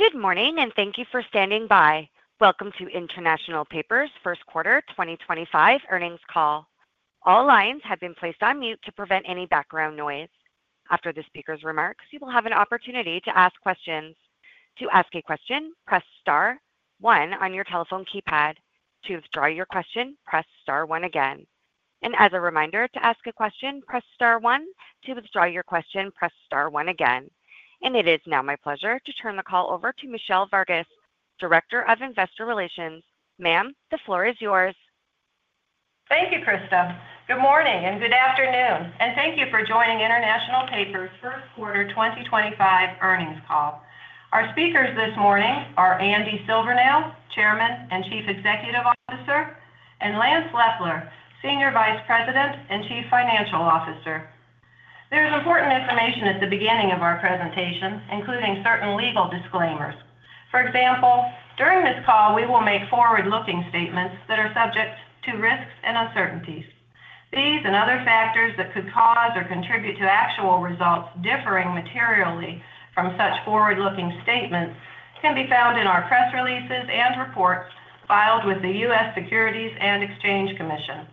Good morning, and thank you for standing by. Welcome to International Paper's first quarter 2025 earnings call. All lines have been placed on mute to prevent any background noise. After the speaker's remarks, you will have an opportunity to ask questions. To ask a question, press star one on your telephone keypad. To withdraw your question, press star one again. As a reminder, to ask a question, press star one. To withdraw your question, press star one again. It is now my pleasure to turn the call over to Michele Vargas, Director of Investor Relations. Ma'am, the floor is yours. Thank you, Krista. Good morning and good afternoon, and thank you for joining International Paper's first quarter 2025 earnings call. Our speakers this morning are Andy Silvernail, Chairman and Chief Executive Officer, and Lance Loeffler, Senior Vice President and Chief Financial Officer. There is important information at the beginning of our presentation, including certain legal disclaimers. For example, during this call, we will make forward-looking statements that are subject to risks and uncertainties. These and other factors that could cause or contribute to actual results differing materially from such forward-looking statements can be found in our press releases and reports filed with the U.S. Securities and Exchange Commission.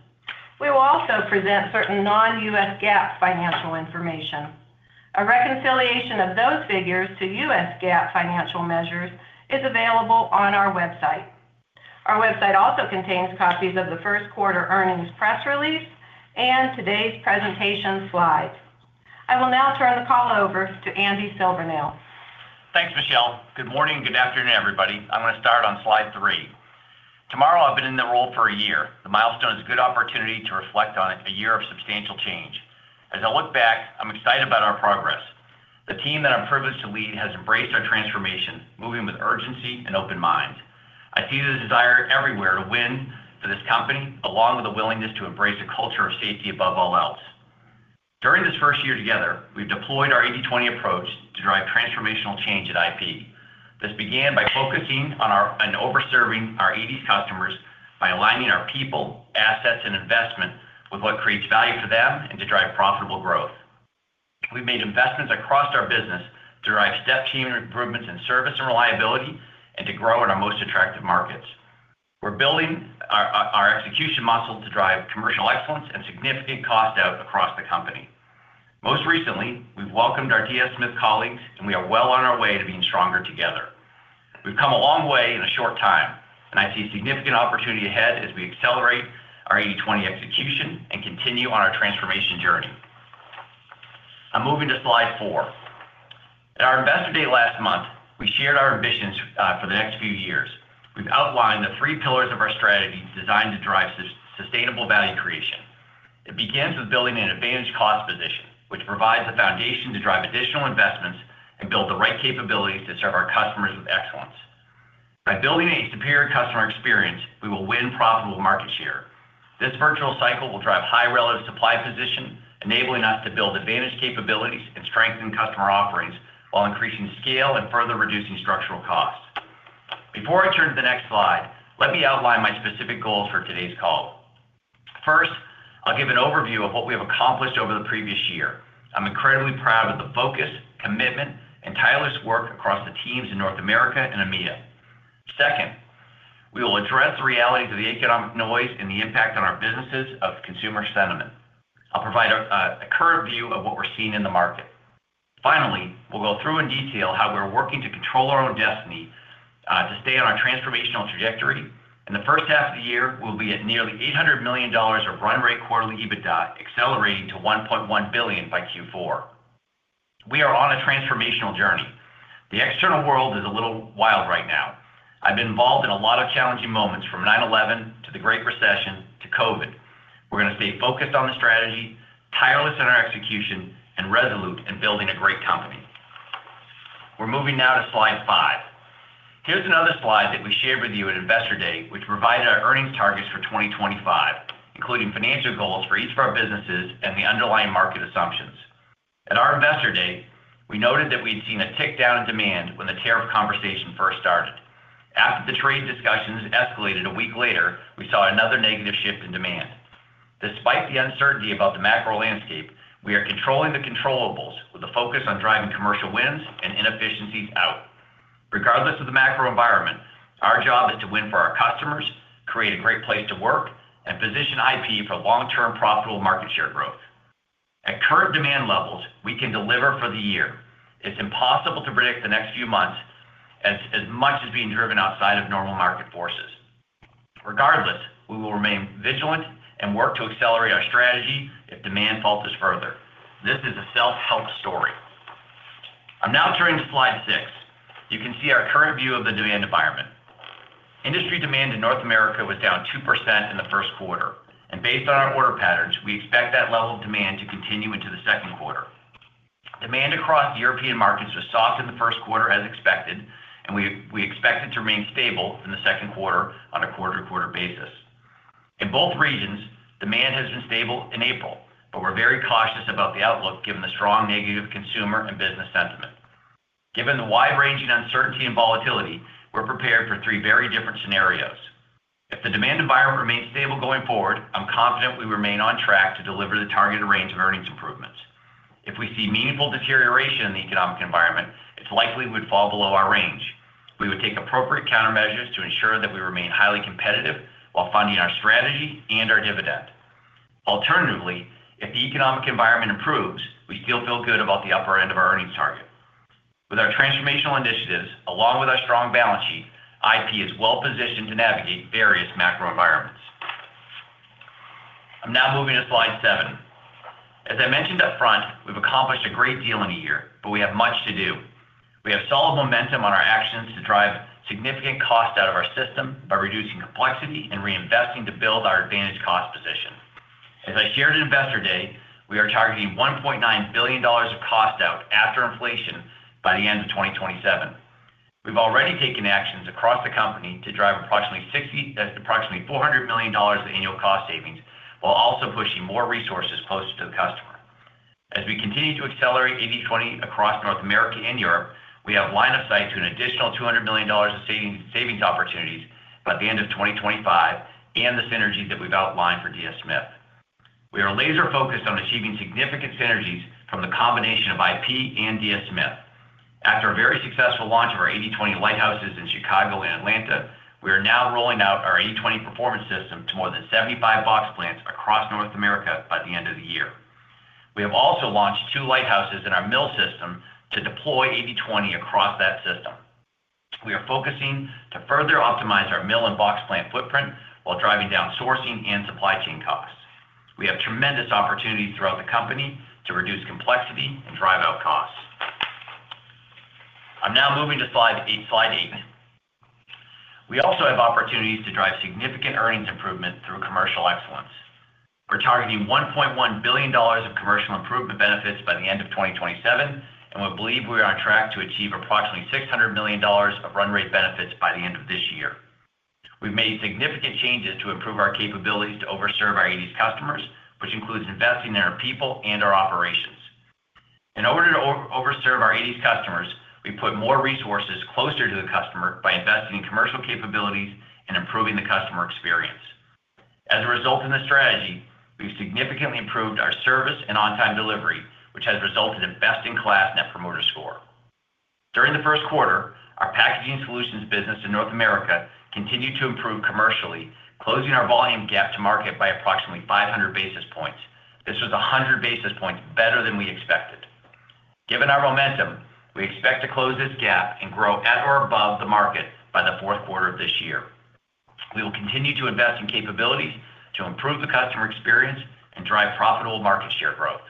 We will also present certain non-U.S. GAAP financial information. A reconciliation of those figures to U.S. GAAP financial measures is available on our website. Our website also contains copies of the first quarter earnings press release and today's presentation slides. I will now turn the call over to Andy Silvernail. Thanks, Michele. Good morning and good afternoon, everybody. I want to start on slide three. Tomorrow, I've been in the role for a year. The milestone is a good opportunity to reflect on a year of substantial change. As I look back, I'm excited about our progress. The team that I'm privileged to lead has embraced our transformation, moving with urgency and open minds. I see the desire everywhere to win for this company, along with a willingness to embrace a culture of safety above all else. During this first year together, we've deployed our 80/20 approach to drive transformational change at IP. This began by focusing on our and overserving our 80s customers by aligning our people, assets, and investment with what creates value for them and to drive profitable growth. We've made investments across our business to drive step team improvements in service and reliability and to grow in our most attractive markets. We're building our execution muscle to drive commercial excellence and significant cost out across the company. Most recently, we've welcomed our DS Smith colleagues, and we are well on our way to being stronger together. We've come a long way in a short time, and I see significant opportunity ahead as we accelerate our 80/20 execution and continue on our transformation journey. I'm moving to slide four. At our investor date last month, we shared our ambitions for the next few years. We've outlined the three pillars of our strategy designed to drive sustainable value creation. It begins with building an advantage cost position, which provides a foundation to drive additional investments and build the right capabilities to serve our customers with excellence. By building a superior customer experience, we will win profitable market share. This virtuous cycle will drive high relative supply position, enabling us to build advantaged capabilities and strengthen customer offerings while increasing scale and further reducing structural costs. Before I turn to the next slide, let me outline my specific goals for today's call. First, I'll give an overview of what we have accomplished over the previous year. I'm incredibly proud of the focus, commitment, and tireless work across the teams in North America and EMEA. Second, we will address the realities of the economic noise and the impact on our businesses of consumer sentiment. I'll provide a current view of what we're seeing in the market. Finally, we'll go through in detail how we're working to control our own destiny to stay on our transformational trajectory. In the first half of the year, we'll be at nearly $800 million of run rate quarterly EBITDA, accelerating to $1.1 billion by Q4. We are on a transformational journey. The external world is a little wild right now. I've been involved in a lot of challenging moments from 9/11 to the Great Recession to COVID. We're going to stay focused on the strategy, tireless in our execution, and resolute in building a great company. We're moving now to slide five. Here's another slide that we shared with you at Investor Day, which provided our earnings targets for 2025, including financial goals for each of our businesses and the underlying market assumptions. At our Investor Day, we noted that we had seen a tick down in demand when the tariff conversation first started. After the trade discussions escalated a week later, we saw another negative shift in demand. Despite the uncertainty about the macro landscape, we are controlling the controllables with a focus on driving commercial wins and inefficiencies out. Regardless of the macro environment, our job is to win for our customers, create a great place to work, and position IP for long-term profitable market share growth. At current demand levels, we can deliver for the year. It's impossible to predict the next few months as much as being driven outside of normal market forces. Regardless, we will remain vigilant and work to accelerate our strategy if demand falters further. This is a self-help story. I'm now turning to slide six. You can see our current view of the demand environment. Industry demand in North America was down 2% in the first quarter, and based on our order patterns, we expect that level of demand to continue into the second quarter. Demand across the European markets was soft in the first quarter, as expected, and we expect it to remain stable in the second quarter on a quarter-to-quarter basis. In both regions, demand has been stable in April, but we're very cautious about the outlook given the strong negative consumer and business sentiment. Given the wide-ranging uncertainty and volatility, we're prepared for three very different scenarios. If the demand environment remains stable going forward, I'm confident we remain on track to deliver the targeted range of earnings improvements. If we see meaningful deterioration in the economic environment, it's likely we'd fall below our range. We would take appropriate countermeasures to ensure that we remain highly competitive while funding our strategy and our dividend. Alternatively, if the economic environment improves, we still feel good about the upper end of our earnings target. With our transformational initiatives, along with our strong balance sheet, IP is well-positioned to navigate various macro environments. I'm now moving to slide seven. As I mentioned upfront, we've accomplished a great deal in a year, but we have much to do. We have solid momentum on our actions to drive significant cost out of our system by reducing complexity and reinvesting to build our advantage cost position. As I shared at Investor Day, we are targeting $1.9 billion of cost out after inflation by the end of 2027. We've already taken actions across the company to drive approximately $400 million of annual cost savings while also pushing more resources closer to the customer. As we continue to accelerate 80/20 across North America and Europe, we have line of sight to an additional $200 million of savings opportunities by the end of 2025 and the synergies that we've outlined for DS Smith. We are laser-focused on achieving significant synergies from the combination of IP and DS Smith. After a very successful launch of our 80/20 lighthouses in Chicago and Atlanta, we are now rolling out our 80/20 performance system to more than 75 box plants across North America by the end of the year. We have also launched two lighthouses in our mill system to deploy 80/20 across that system. We are focusing to further optimize our mill and box plant footprint while driving down sourcing and supply chain costs. We have tremendous opportunities throughout the company to reduce complexity and drive out costs. I'm now moving to slide eight. We also have opportunities to drive significant earnings improvement through commercial excellence. We're targeting $1.1 billion of commercial improvement benefits by the end of 2027, and we believe we are on track to achieve approximately $600 million of run rate benefits by the end of this year. We've made significant changes to improve our capabilities to overserve our 80/20 customers, which includes investing in our people and our operations. In order to overserve our 80/20 customers, we put more resources closer to the customer by investing in commercial capabilities and improving the customer experience. As a result of this strategy, we've significantly improved our service and on-time delivery, which has resulted in best-in-class Net Promoter Score. During the first quarter, our packaging solutions business in North America continued to improve commercially, closing our volume gap to market by approximately 500 basis points. This was 100 basis points better than we expected. Given our momentum, we expect to close this gap and grow at or above the market by the fourth quarter of this year. We will continue to invest in capabilities to improve the customer experience and drive profitable market share growth.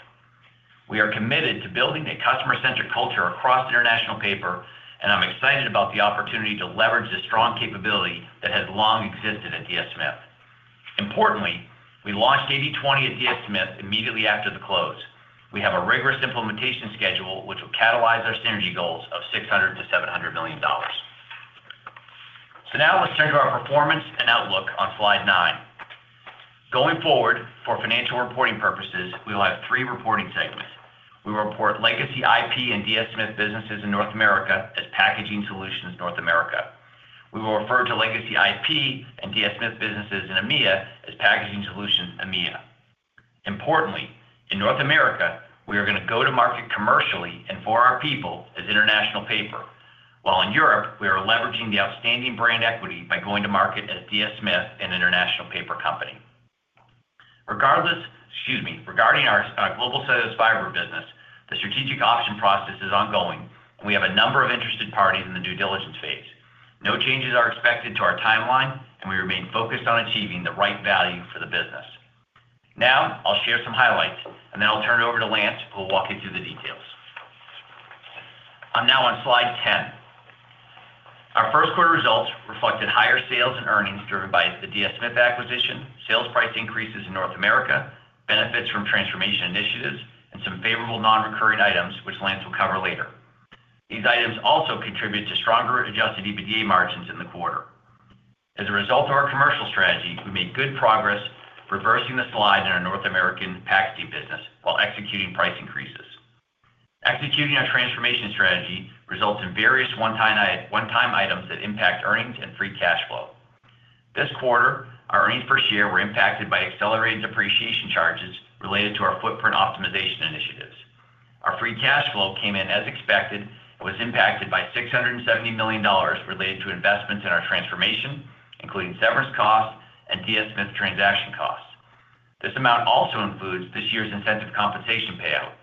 We are committed to building a customer-centric culture across International Paper, and I'm excited about the opportunity to leverage the strong capability that has long existed at DS Smith. Importantly, we launched 80/20 at DS Smith immediately after the close. We have a rigorous implementation schedule, which will catalyze our synergy goals of $600 million-$700 million. Now let's turn to our performance and outlook on slide nine. Going forward, for financial reporting purposes, we will have three reporting segments. We will report legacy IP and DS Smith businesses in North America as packaging solutions North America. We will refer to legacy IP and DS Smith businesses in EMEA as packaging solutions EMEA. Importantly, in North America, we are going to go to market commercially and for our people as International Paper, while in Europe, we are leveraging the outstanding brand equity by going to market as DS Smith and International Paper Company. Regarding our global sales fiber business, the strategic option process is ongoing, and we have a number of interested parties in the due diligence phase. No changes are expected to our timeline, and we remain focused on achieving the right value for the business. Now I'll share some highlights, and then I'll turn it over to Lance, who will walk you through the details. I'm now on slide 10. Our first quarter results reflected higher sales and earnings driven by the DS Smith acquisition, sales price increases in North America, benefits from transformation initiatives, and some favorable non-recurring items, which Lance will cover later. These items also contribute to stronger Adjusted EBITDA margins in the quarter. As a result of our commercial strategy, we made good progress reversing the slide in our North American packaging business while executing price increases. Executing our transformation strategy results in various one-time items that impact earnings and free cash flow. This quarter, our earnings per share were impacted by accelerated depreciation charges related to our footprint optimization initiatives. Our free cash flow came in as expected and was impacted by $670 million related to investments in our transformation, including severance costs and DS Smith transaction costs. This amount also includes this year's incentive compensation payout.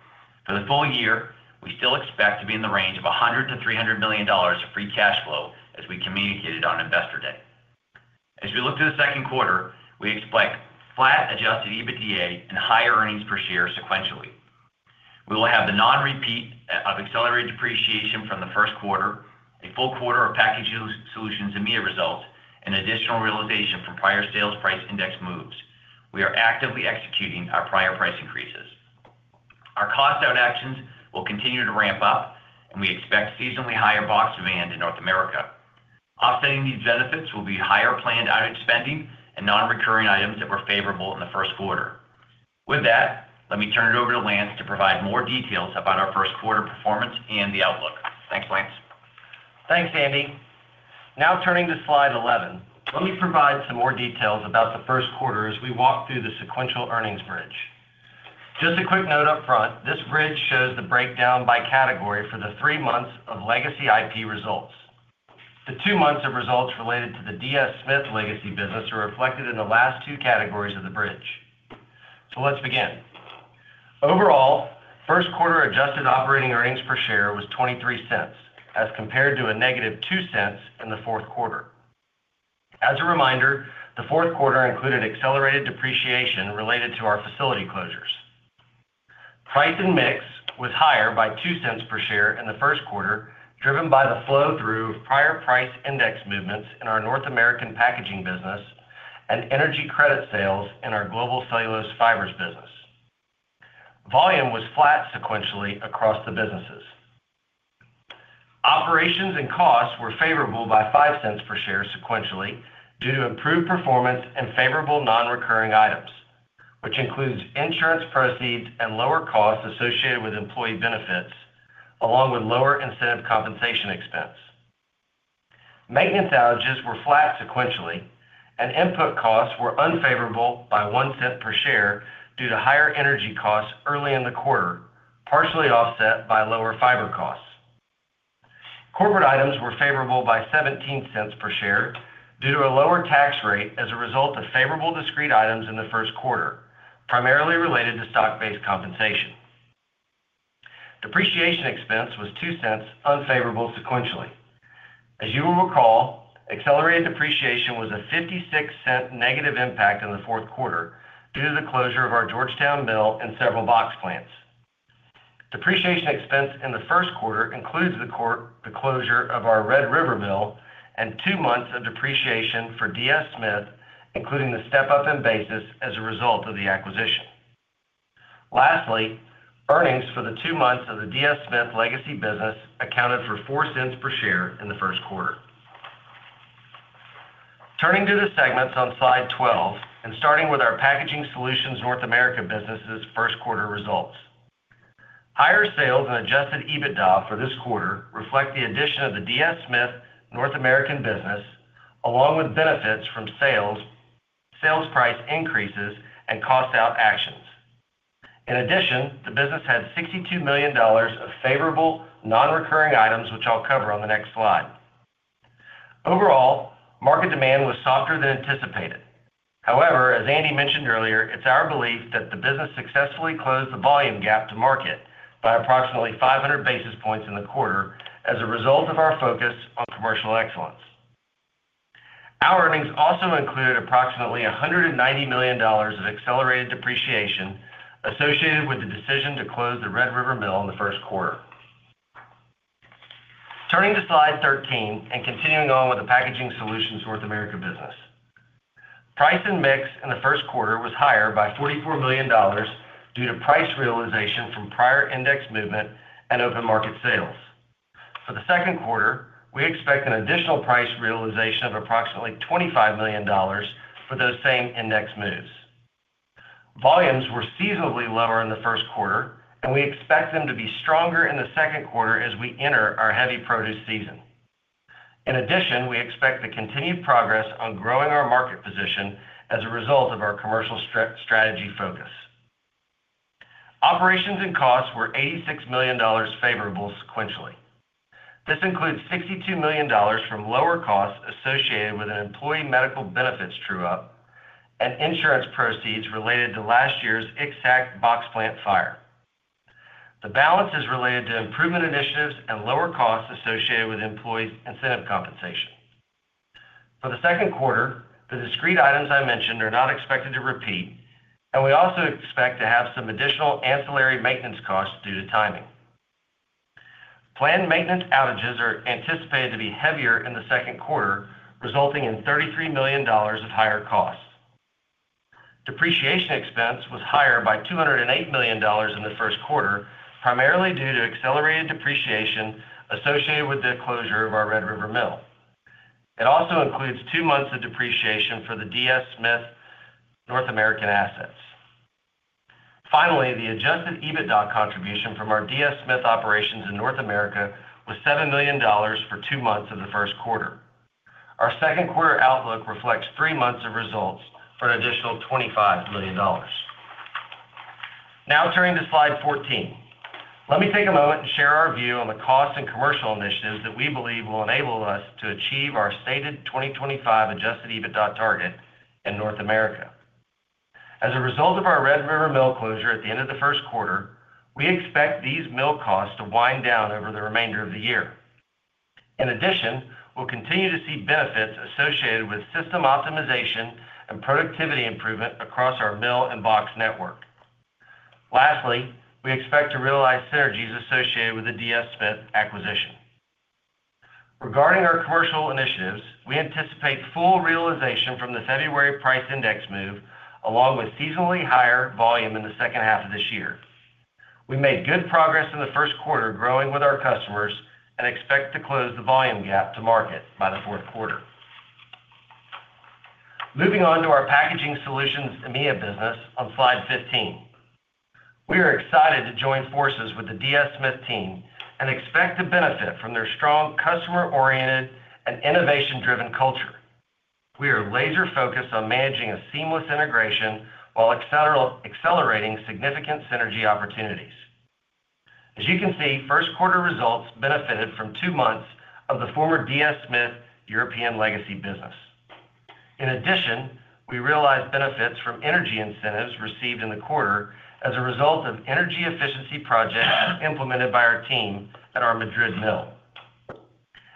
For the full year, we still expect to be in the range of $100 million-$300 million of free cash flow, as we communicated on Investor Day. As we look to the second quarter, we expect flat Adjusted EBITDA and higher earnings per share sequentially. We will have the non-repeat of accelerated depreciation from the first quarter, a full quarter of packaging solutions EMEA results, and additional realization from prior sales price index moves. We are actively executing our prior price increases. Our cost out actions will continue to ramp up, and we expect seasonally higher box demand in North America. Offsetting these benefits will be higher planned out-of-spending and non-recurring items that were favorable in the first quarter. With that, let me turn it over to Lance to provide more details about our first quarter performance and the outlook. Thanks, Lance. Thanks, Andy. Now turning to slide 11, let me provide some more details about the first quarter as we walk through the sequential earnings bridge. Just a quick note upfront, this bridge shows the breakdown by category for the three months of legacy IP results. The two months of results related to the DS Smith legacy business are reflected in the last two categories of the bridge. Let's begin. Overall, first quarter adjusted operating earnings per share was $0.23, as compared to a -$0.02 in the fourth quarter. As a reminder, the fourth quarter included accelerated depreciation related to our facility closures. Price and mix was higher by $0.02 per share in the first quarter, driven by the flow-through of prior price index movements in our North American packaging business and energy credit sales in our global cellulose fibers business. Volume was flat sequentially across the businesses. Operations and costs were favorable by $0.05 per share sequentially due to improved performance and favorable non-recurring items, which includes insurance proceeds and lower costs associated with employee benefits, along with lower incentive compensation expense. Maintenance outages were flat sequentially, and input costs were unfavorable by $0.01 per share due to higher energy costs early in the quarter, partially offset by lower fiber costs. Corporate items were favorable by $0.17 per share due to a lower tax rate as a result of favorable discrete items in the first quarter, primarily related to stock-based compensation. Depreciation expense was $0.02, unfavorable sequentially. As you will recall, accelerated depreciation was a $0.56 negative impact in the fourth quarter due to the closure of our Georgetown mill and several box plants. Depreciation expense in the first quarter includes the closure of our Red River Mill and two months of depreciation for DS Smith, including the step-up in basis as a result of the acquisition. Lastly, earnings for the two months of the DS Smith legacy business accounted for $0.04 per share in the first quarter. Turning to the segments on slide 12 and starting with our packaging solutions North America business's first quarter results. Higher sales and Adjusted EBITDA for this quarter reflect the addition of the DS Smith North American business, along with benefits from sales, sales price increases, and cost-out actions. In addition, the business had $62 million of favorable non-recurring items, which I'll cover on the next slide. Overall, market demand was softer than anticipated. However, as Andy mentioned earlier, it's our belief that the business successfully closed the volume gap to market by approximately 500 basis points in the quarter as a result of our focus on commercial excellence. Our earnings also included approximately $190 million of accelerated depreciation associated with the decision to close the Red River Mill in the first quarter. Turning to slide 13 and continuing on with the packaging solutions North America business. Price and mix in the first quarter was higher by $44 million due to price realization from prior index movement and open market sales. For the second quarter, we expect an additional price realization of approximately $25 million for those same index moves. Volumes were seasonally lower in the first quarter, and we expect them to be stronger in the second quarter as we enter our heavy produce season. In addition, we expect the continued progress on growing our market position as a result of our commercial strategy focus. Operations and costs were $86 million favorable sequentially. This includes $62 million from lower costs associated with an employee medical benefits true-up and insurance proceeds related to last year's exact box plant fire. The balance is related to improvement initiatives and lower costs associated with employee incentive compensation. For the second quarter, the discrete items I mentioned are not expected to repeat, and we also expect to have some additional ancillary maintenance costs due to timing. Planned maintenance outages are anticipated to be heavier in the second quarter, resulting in $33 million of higher costs. Depreciation expense was higher by $208 million in the first quarter, primarily due to accelerated depreciation associated with the closure of our Red River Mill. It also includes two months of depreciation for the DS Smith North American assets. Finally, the adjusted EBITDA contribution from our DS Smith operations in North America was $7 million for two months of the first quarter. Our second quarter outlook reflects three months of results for an additional $25 million. Now turning to slide 14, let me take a moment and share our view on the cost and commercial initiatives that we believe will enable us to achieve our stated 2025 Adjusted EBITDA target in North America. As a result of our Red River Mill closure at the end of the first quarter, we expect these mill costs to wind down over the remainder of the year. In addition, we'll continue to see benefits associated with system optimization and productivity improvement across our mill and box network. Lastly, we expect to realize synergies associated with the DS Smith acquisition. Regarding our commercial initiatives, we anticipate full realization from the February price index move, along with seasonally higher volume in the second half of this year. We made good progress in the first quarter growing with our customers and expect to close the volume gap to market by the fourth quarter. Moving on to our packaging solutions EMEA business on slide 15. We are excited to join forces with the DS Smith team and expect to benefit from their strong customer-oriented and innovation-driven culture. We are laser-focused on managing a seamless integration while accelerating significant synergy opportunities. As you can see, first quarter results benefited from two months of the former DS Smith European legacy business. In addition, we realized benefits from energy incentives received in the quarter as a result of energy efficiency projects implemented by our team at our Madrid mill.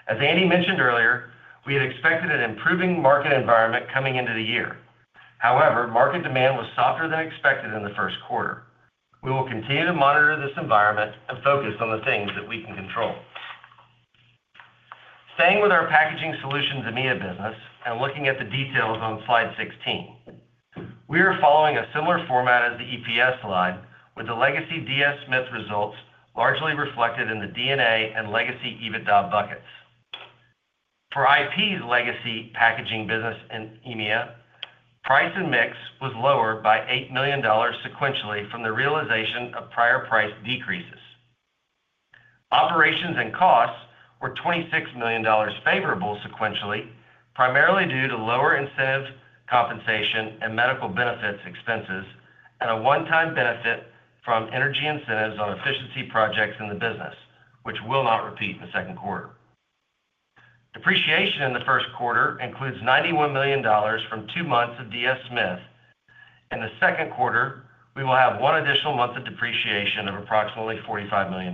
As Andy mentioned earlier, we had expected an improving market environment coming into the year. However, market demand was softer than expected in the first quarter. We will continue to monitor this environment and focus on the things that we can control. Staying with our packaging solutions EMEA business and looking at the details on slide 16, we are following a similar format as the EPS slide, with the legacy DS Smith results largely reflected in the D&A and legacy EBITDA buckets. For IP's legacy packaging business in EMEA, price and mix was lower by $8 million sequentially from the realization of prior price decreases. Operations and costs were $26 million favorable sequentially, primarily due to lower incentive compensation and medical benefits expenses and a one-time benefit from energy incentives on efficiency projects in the business, which will not repeat in the second quarter. Depreciation in the first quarter includes $91 million from two months of DS Smith. In the second quarter, we will have one additional month of depreciation of approximately $45 million.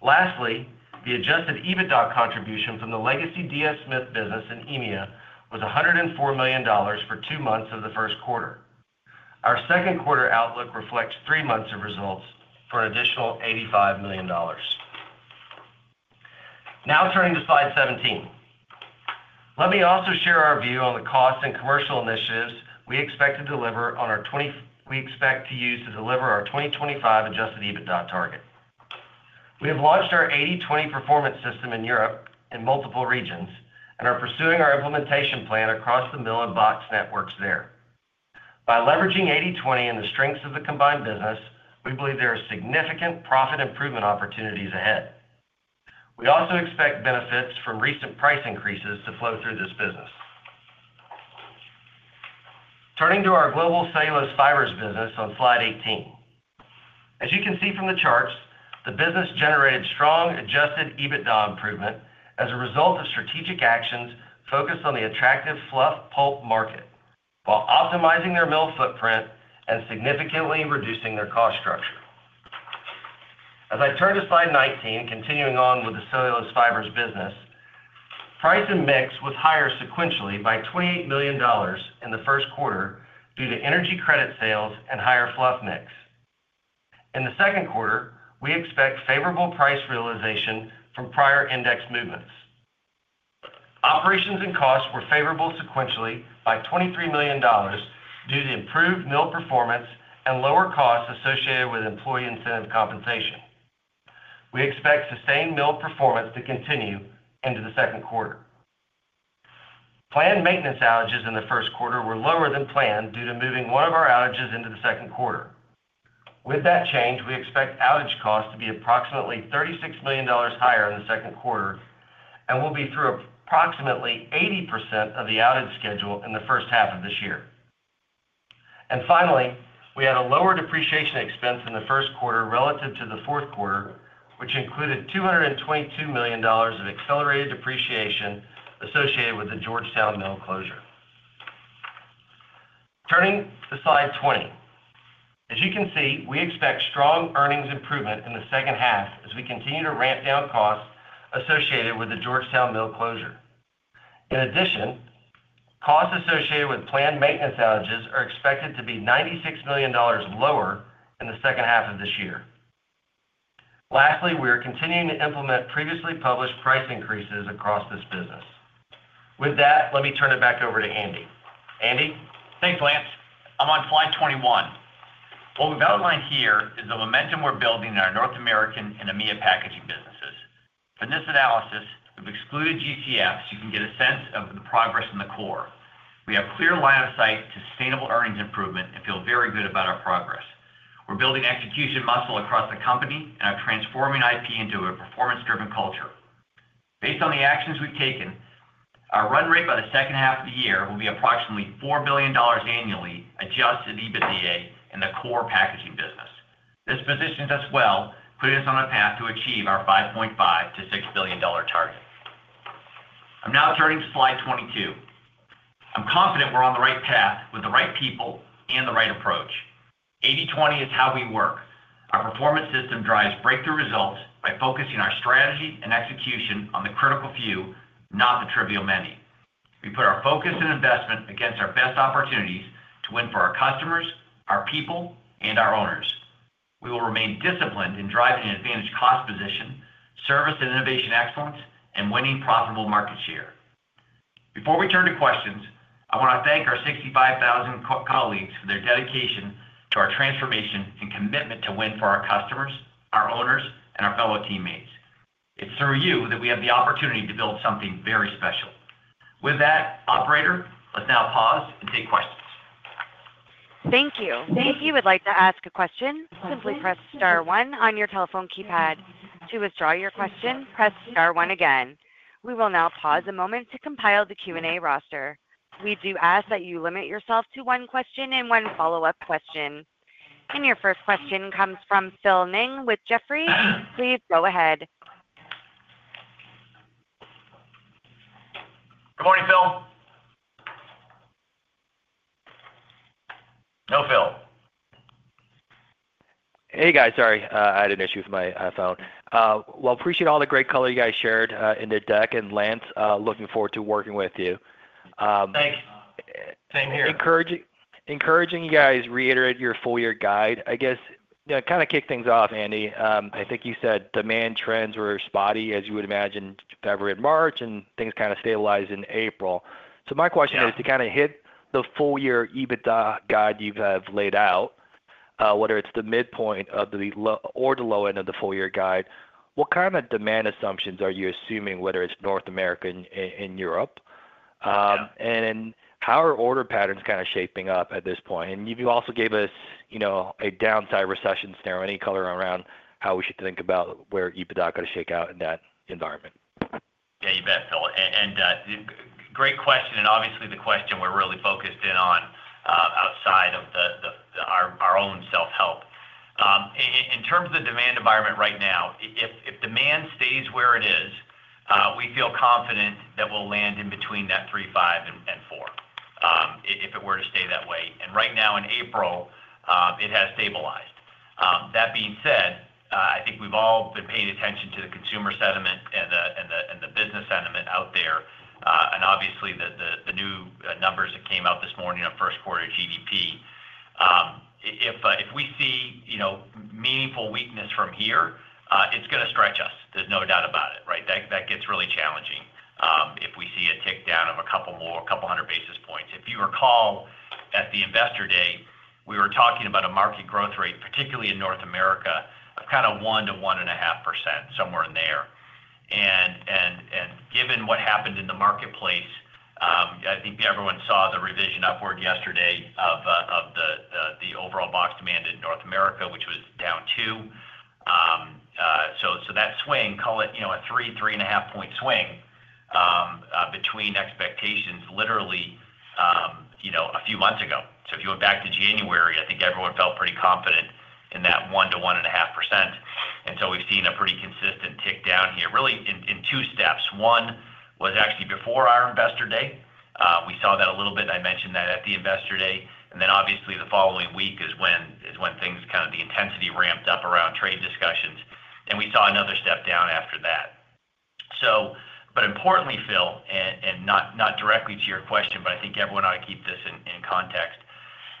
Lastly, the Adjusted EBITDA contribution from the legacy DS Smith business in EMEA was $104 million for two months of the first quarter. Our second quarter outlook reflects three months of results for an additional $85 million. Now turning to slide 17, let me also share our view on the cost and commercial initiatives we expect to deliver on our 20 we expect to use to deliver our 2025 Adjusted EBITDA target. We have launched our 80/20 performance system in Europe in multiple regions and are pursuing our implementation plan across the mill and box networks there. By leveraging 80/20 and the strengths of the combined business, we believe there are significant profit improvement opportunities ahead. We also expect benefits from recent price increases to flow through this business. Turning to our global cellulose fibers business on slide 18, as you can see from the charts, the business generated strong Adjusted EBITDA improvement as a result of strategic actions focused on the attractive fluff pulp market while optimizing their mill footprint and significantly reducing their cost structure. As I turn to slide 19, continuing on with the cellulose fibers business, price and mix was higher sequentially by $28 million in the first quarter due to energy credit sales and higher fluff mix. In the second quarter, we expect favorable price realization from prior index movements. Operations and costs were favorable sequentially by $23 million due to improved mill performance and lower costs associated with employee incentive compensation. We expect sustained mill performance to continue into the second quarter. Planned maintenance outages in the first quarter were lower than planned due to moving one of our outages into the second quarter. With that change, we expect outage costs to be approximately $36 million higher in the second quarter and will be through approximately 80% of the outage schedule in the first half of this year. Finally, we had a lower depreciation expense in the first quarter relative to the fourth quarter, which included $222 million of accelerated depreciation associated with the Georgetown mill closure. Turning to slide 20, as you can see, we expect strong earnings improvement in the second half as we continue to ramp down costs associated with the Georgetown mill closure. In addition, costs associated with planned maintenance outages are expected to be $96 million lower in the second half of this year. Lastly, we are continuing to implement previously published price increases across this business. With that, let me turn it back over to Andy. Andy? Thanks, Lance. I'm on slide 21. What we've outlined here is the momentum we're building in our North American and EMEA packaging businesses. For this analysis, we've excluded GCF so you can get a sense of the progress in the core. We have clear line of sight to sustainable earnings improvement and feel very good about our progress. We're building execution muscle across the company and are transforming IP into a performance-driven culture. Based on the actions we've taken, our run rate by the second half of the year will be approximately $4 billion annually adjusted EBITDA in the core packaging business. This positions us well, putting us on a path to achieve our $5.5 billion-$6 billion target. I'm now turning to slide 22. I'm confident we're on the right path with the right people and the right approach. 80/20 is how we work. Our performance system drives breakthrough results by focusing our strategy and execution on the critical few, not the trivial many. We put our focus and investment against our best opportunities to win for our customers, our people, and our owners. We will remain disciplined in driving an advantaged cost position, service and innovation excellence, and winning profitable market share. Before we turn to questions, I want to thank our 65,000 colleagues for their dedication to our transformation and commitment to win for our customers, our owners, and our fellow teammates. It's through you that we have the opportunity to build something very special. With that, operator, let's now pause and take questions. Thank you. If you would like to ask a question, simply press star one on your telephone keypad. To withdraw your question, press star one again. We will now pause a moment to compile the Q&A roster. We do ask that you limit yourself to one question and one follow-up question. Your first question comes from Phil Ng with Jefferies. Please go ahead. Good morning, Phil. No, Phil. Hey, guys. Sorry, I had an issue with my phone. Appreciate all the great color you guys shared in the deck. Lance, looking forward to working with you. Thanks. Same here. Encouraging you guys reiterate your full year guide, I guess, kind of kick things off, Andy. I think you said demand trends were spotty, as you would imagine, February and March, and things kind of stabilized in April. My question is to kind of hit the full year EBITDA guide you've laid out, whether it's the midpoint or the low end of the full year guide. What kind of demand assumptions are you assuming, whether it's North America and Europe? How are order patterns kind of shaping up at this point? You also gave us a downside recession scenario, any color around how we should think about where EBITDA could shake out in that environment. Yeah, you bet, Phil. Great question. Obviously, the question we're really focused in on outside of our own self-help. In terms of the demand environment right now, if demand stays where it is, we feel confident that we'll land in between that $3.5 billion-$4 billion if it were to stay that way. Right now, in April, it has stabilized. That being said, I think we've all been paying attention to the consumer sentiment and the business sentiment out there. Obviously, the new numbers that came out this morning on first quarter GDP, if we see meaningful weakness from here, it's going to stretch us. There's no doubt about it, right? That gets really challenging if we see a tick down of a couple hundred basis points. If you recall, at the Investor Day, we were talking about a market growth rate, particularly in North America, of kind of 1%-1.5%, somewhere in there. Given what happened in the marketplace, I think everyone saw the revision upward yesterday of the overall box demand in North America, which was down 2. That swing, call it a 3-3.5 point swing between expectations literally a few months ago. If you went back to January, I think everyone felt pretty confident in that 1%-1.5%. We have seen a pretty consistent tick down here, really in two steps. One was actually before our Investor Day. We saw that a little bit. I mentioned that at the Investor Day. Obviously, the following week is when things kind of—the intensity ramped up around trade discussions. We saw another step down after that. Importantly, Phil, and not directly to your question, I think everyone ought to keep this in context,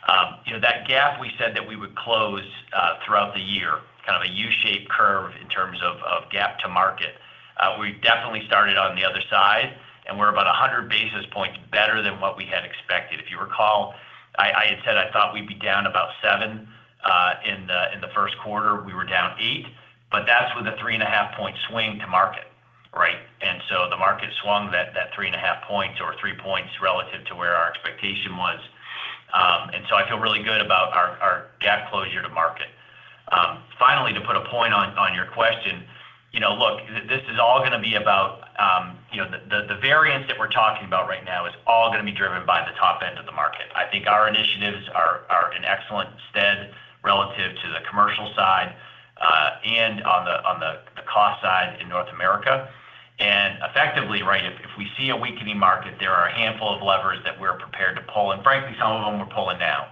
that gap we said that we would close throughout the year, kind of a U-shaped curve in terms of gap to market. We definitely started on the other side, and we are about 100 basis points better than what we had expected. If you recall, I had said I thought we'd be down about seven in the first quarter. We were down eight, but that's with a three and a half point swing to market, right? The market swung that three and a half points or three points relative to where our expectation was. I feel really good about our gap closure to market. Finally, to put a point on your question, look, this is all going to be about the variance that we're talking about right now is all going to be driven by the top end of the market. I think our initiatives are in excellent stead relative to the commercial side and on the cost side in North America. Effectively, right, if we see a weakening market, there are a handful of levers that we're prepared to pull. Frankly, some of them we're pulling now.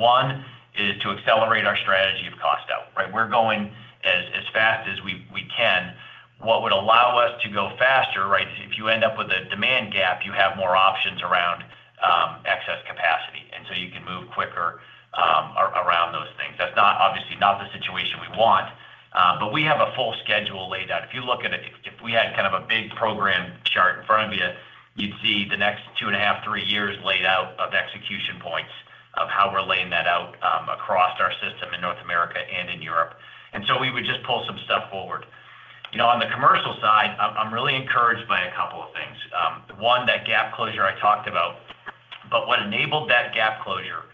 One is to accelerate our strategy of cost out, right? We're going as fast as we can. What would allow us to go faster, right? If you end up with a demand gap, you have more options around excess capacity. You can move quicker around those things. That's obviously not the situation we want, but we have a full schedule laid out. If you look at it, if we had kind of a big program chart in front of you, you'd see the next two and a half, three years laid out of execution points of how we're laying that out across our system in North America and in Europe. We would just pull some stuff forward. On the commercial side, I'm really encouraged by a couple of things. One, that gap closure I talked about. What enabled that gap closure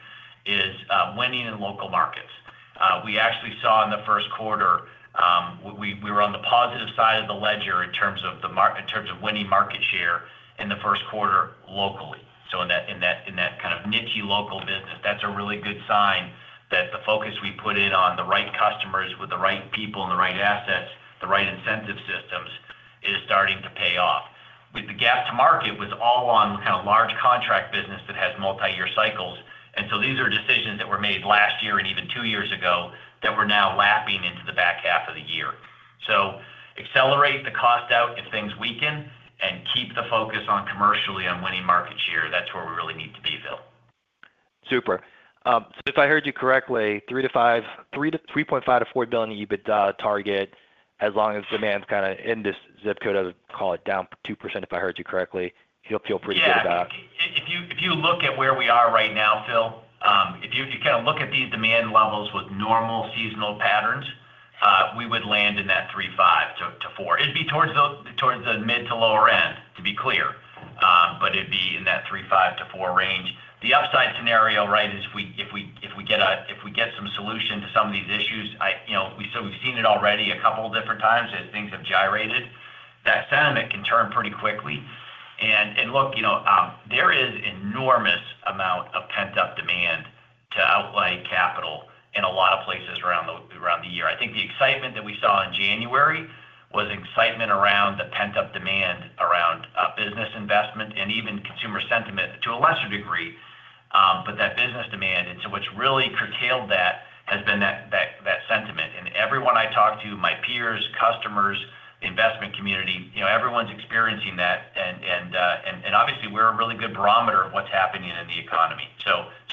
is winning in local markets. We actually saw in the first quarter, we were on the positive side of the ledger in terms of winning market share in the first quarter locally. In that kind of niche local business, that's a really good sign that the focus we put in on the right customers with the right people and the right assets, the right incentive systems is starting to pay off. With the gap to market, it was all on kind of large contract business that has multi-year cycles. These are decisions that were made last year and even two years ago that we're now lapping into the back half of the year. Accelerate the cost out if things weaken and keep the focus commercially on winning market share. That's where we really need to be, Phil. Super. If I heard you correctly, $3.5 billion-$4 billion EBITDA target, as long as demand's kind of in this zip code, I would call it down 2% if I heard you correctly, you'll feel pretty good about it. Yeah. If you look at where we are right now, Phil, if you kind of look at these demand levels with normal seasonal patterns, we would land in that $3.5 billion-$4 billion. It'd be towards the mid to lower end, to be clear. But it'd be in that $3.5 billion-$4 billion range. The upside scenario, right, is if we get some solution to some of these issues, we've seen it already a couple of different times as things have gyrated. That sentiment can turn pretty quickly. Look, there is an enormous amount of pent-up demand to outlay capital in a lot of places around the year. I think the excitement that we saw in January was excitement around the pent-up demand around business investment and even consumer sentiment to a lesser degree. That business demand, and what has really curtailed that has been that sentiment. Everyone I talked to, my peers, customers, investment community, everyone's experiencing that. Obviously, we're a really good barometer of what's happening in the economy.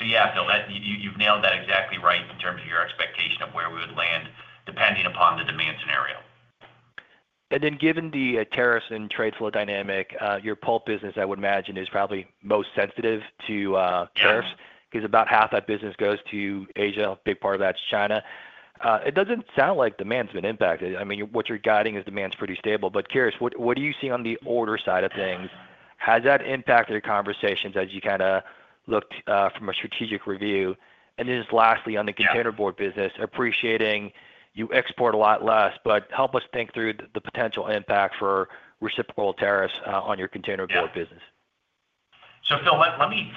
Yeah, Phil, you've nailed that exactly right in terms of your expectation of where we would land depending upon the demand scenario. Given the tariffs and trade flow dynamic, your pulp business, I would imagine, is probably most sensitive to tariffs because about half that business goes to Asia. A big part of that is China. It doesn't sound like demand's been impacted. I mean, what you're guiding is demand's pretty stable. Curious, what do you see on the order side of things? Has that impacted your conversations as you kind of looked from a strategic review? Lastly, on the containerboard business, appreciating you export a lot less, but help us think through the potential impact for reciprocal tariffs on your containerboard business. Phil, let me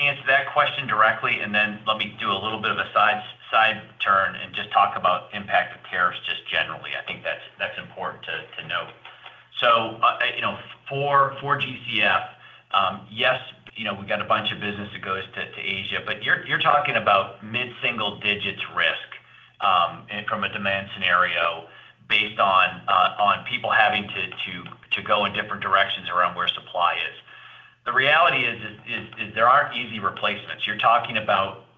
answer that question directly, and then let me do a little bit of a side turn and just talk about impact of tariffs just generally. I think that's important to note. For GCF, yes, we've got a bunch of business that goes to Asia, but you're talking about mid-single digits risk from a demand scenario based on people having to go in different directions around where supply is. The reality is there aren't easy replacements. You're talking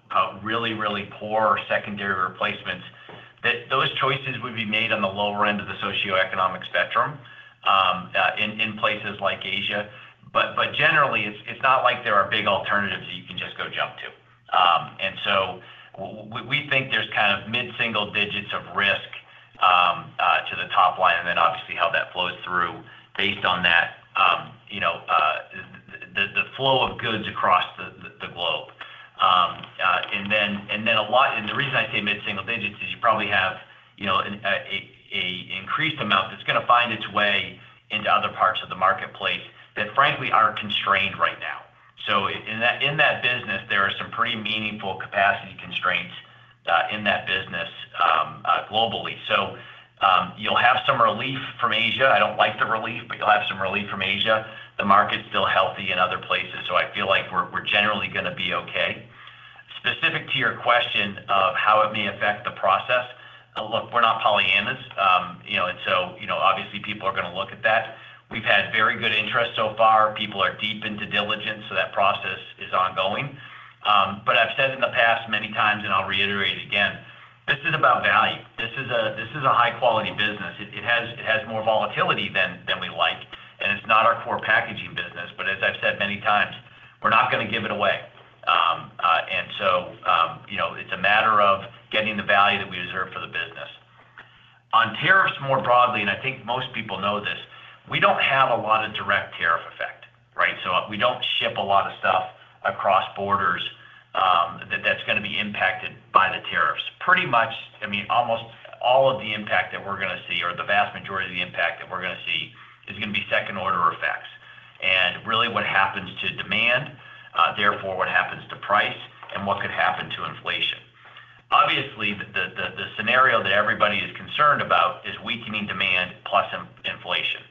about really, really poor secondary replacements. Those choices would be made on the lower end of the socioeconomic spectrum in places like Asia. Generally, it's not like there are big alternatives that you can just go jump to. We think there's kind of mid-single digits of risk to the top line and then obviously how that flows through based on that, the flow of goods across the globe. A lot and the reason I say mid-single digits is you probably have an increased amount that's going to find its way into other parts of the marketplace that frankly are constrained right now. In that business, there are some pretty meaningful capacity constraints in that business globally. You'll have some relief from Asia. I don't like the relief, but you'll have some relief from Asia. The market's still healthy in other places. I feel like we're generally going to be okay. Specific to your question of how it may affect the process, look, we're not Pollyannas. Obviously, people are going to look at that. We've had very good interest so far. People are deep into diligence, so that process is ongoing. I've said in the past many times, and I'll reiterate it again, this is about value. This is a high-quality business. It has more volatility than we like. It's not our core packaging business. As I've said many times, we're not going to give it away. It's a matter of getting the value that we deserve for the business. On tariffs more broadly, and I think most people know this, we don't have a lot of direct tariff effect, right? We do not ship a lot of stuff across borders that is going to be impacted by the tariffs. Pretty much, I mean, almost all of the impact that we are going to see or the vast majority of the impact that we are going to see is going to be second-order effects. Really what happens to demand, therefore what happens to price, and what could happen to inflation. Obviously, the scenario that everybody is concerned about is weakening demand plus inflation.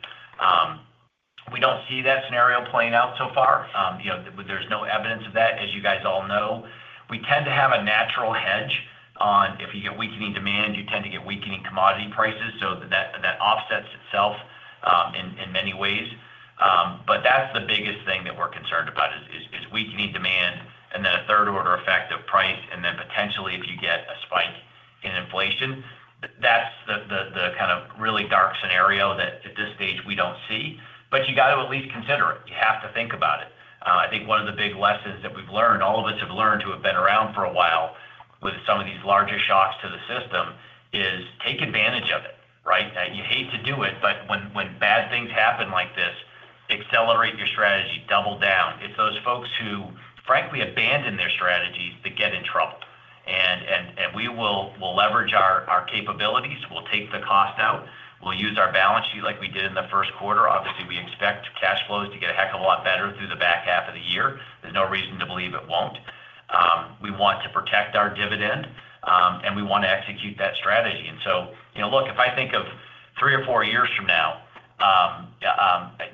We do not see that scenario playing out so far. There is no evidence of that, as you guys all know. We tend to have a natural hedge on if you get weakening demand, you tend to get weakening commodity prices. That offsets itself in many ways. That is the biggest thing that we are concerned about, weakening demand and then a third-order effect of price. If you get a spike in inflation, that's the kind of really dark scenario that at this stage we do not see. You have to at least consider it. You have to think about it. I think one of the big lessons that we have learned, all of us have learned who have been around for a while with some of these larger shocks to the system, is take advantage of it, right? You hate to do it, but when bad things happen like this, accelerate your strategy, double down. It is those folks who frankly abandon their strategies that get in trouble. We will leverage our capabilities. We will take the cost out. We will use our balance sheet like we did in the first quarter. Obviously, we expect cash flows to get a heck of a lot better through the back half of the year. There's no reason to believe it won't. We want to protect our dividend, and we want to execute that strategy. If I think of three or four years from now,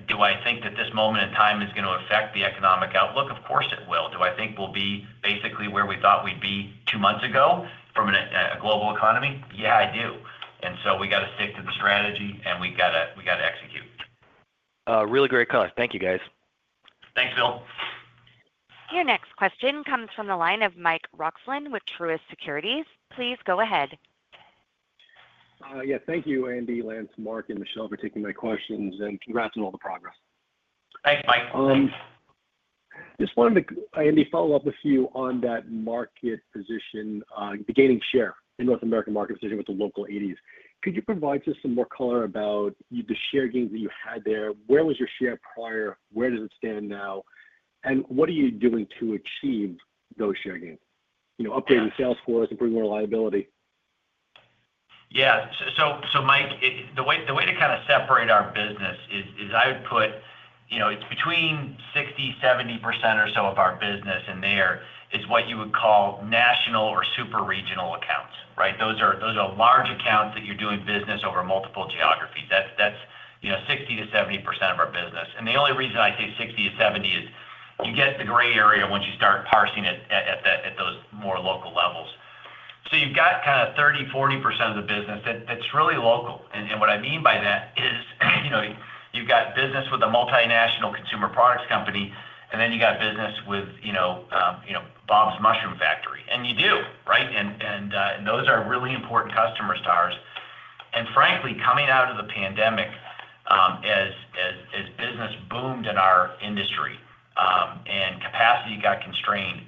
do I think that this moment in time is going to affect the economic outlook? Of course it will. Do I think we'll be basically where we thought we'd be two months ago from a global economy? Yeah, I do. We got to stick to the strategy, and we got to execute. Really great call. Thank you, guys. Thanks, Phil. Your next question comes from the line of Mike Roehrig with Truist Securities. Please go ahead. Yeah. Thank you, Andy, Lance, Mark, and Michele for taking my questions. And congrats on all the progress. Thanks, Mike. Just wanted to, Andy, follow up with you on that market position, the gaining share in North America market position with the local 80s. Could you provide us some more color about the share gains that you had there? Where was your share prior? Where does it stand now? And what are you doing to achieve those share gains? Upgrading Salesforce and bringing more reliability. Yeah. Mike, the way to kind of separate our business is I would put it's between 60%-70% or so of our business in there is what you would call national or super regional accounts, right? Those are large accounts that you're doing business over multiple geographies. That's 60%-70% of our business. The only reason I say 60%-70% is you get the gray area once you start parsing it at those more local levels. You have got kind of 30%-40% of the business that is really local. What I mean by that is you have business with a multinational consumer products company, and then you have business with Bob's Mushroom Factory. You do, right? Those are really important customers to ours. Frankly, coming out of the pandemic, as business boomed in our industry and capacity got constrained,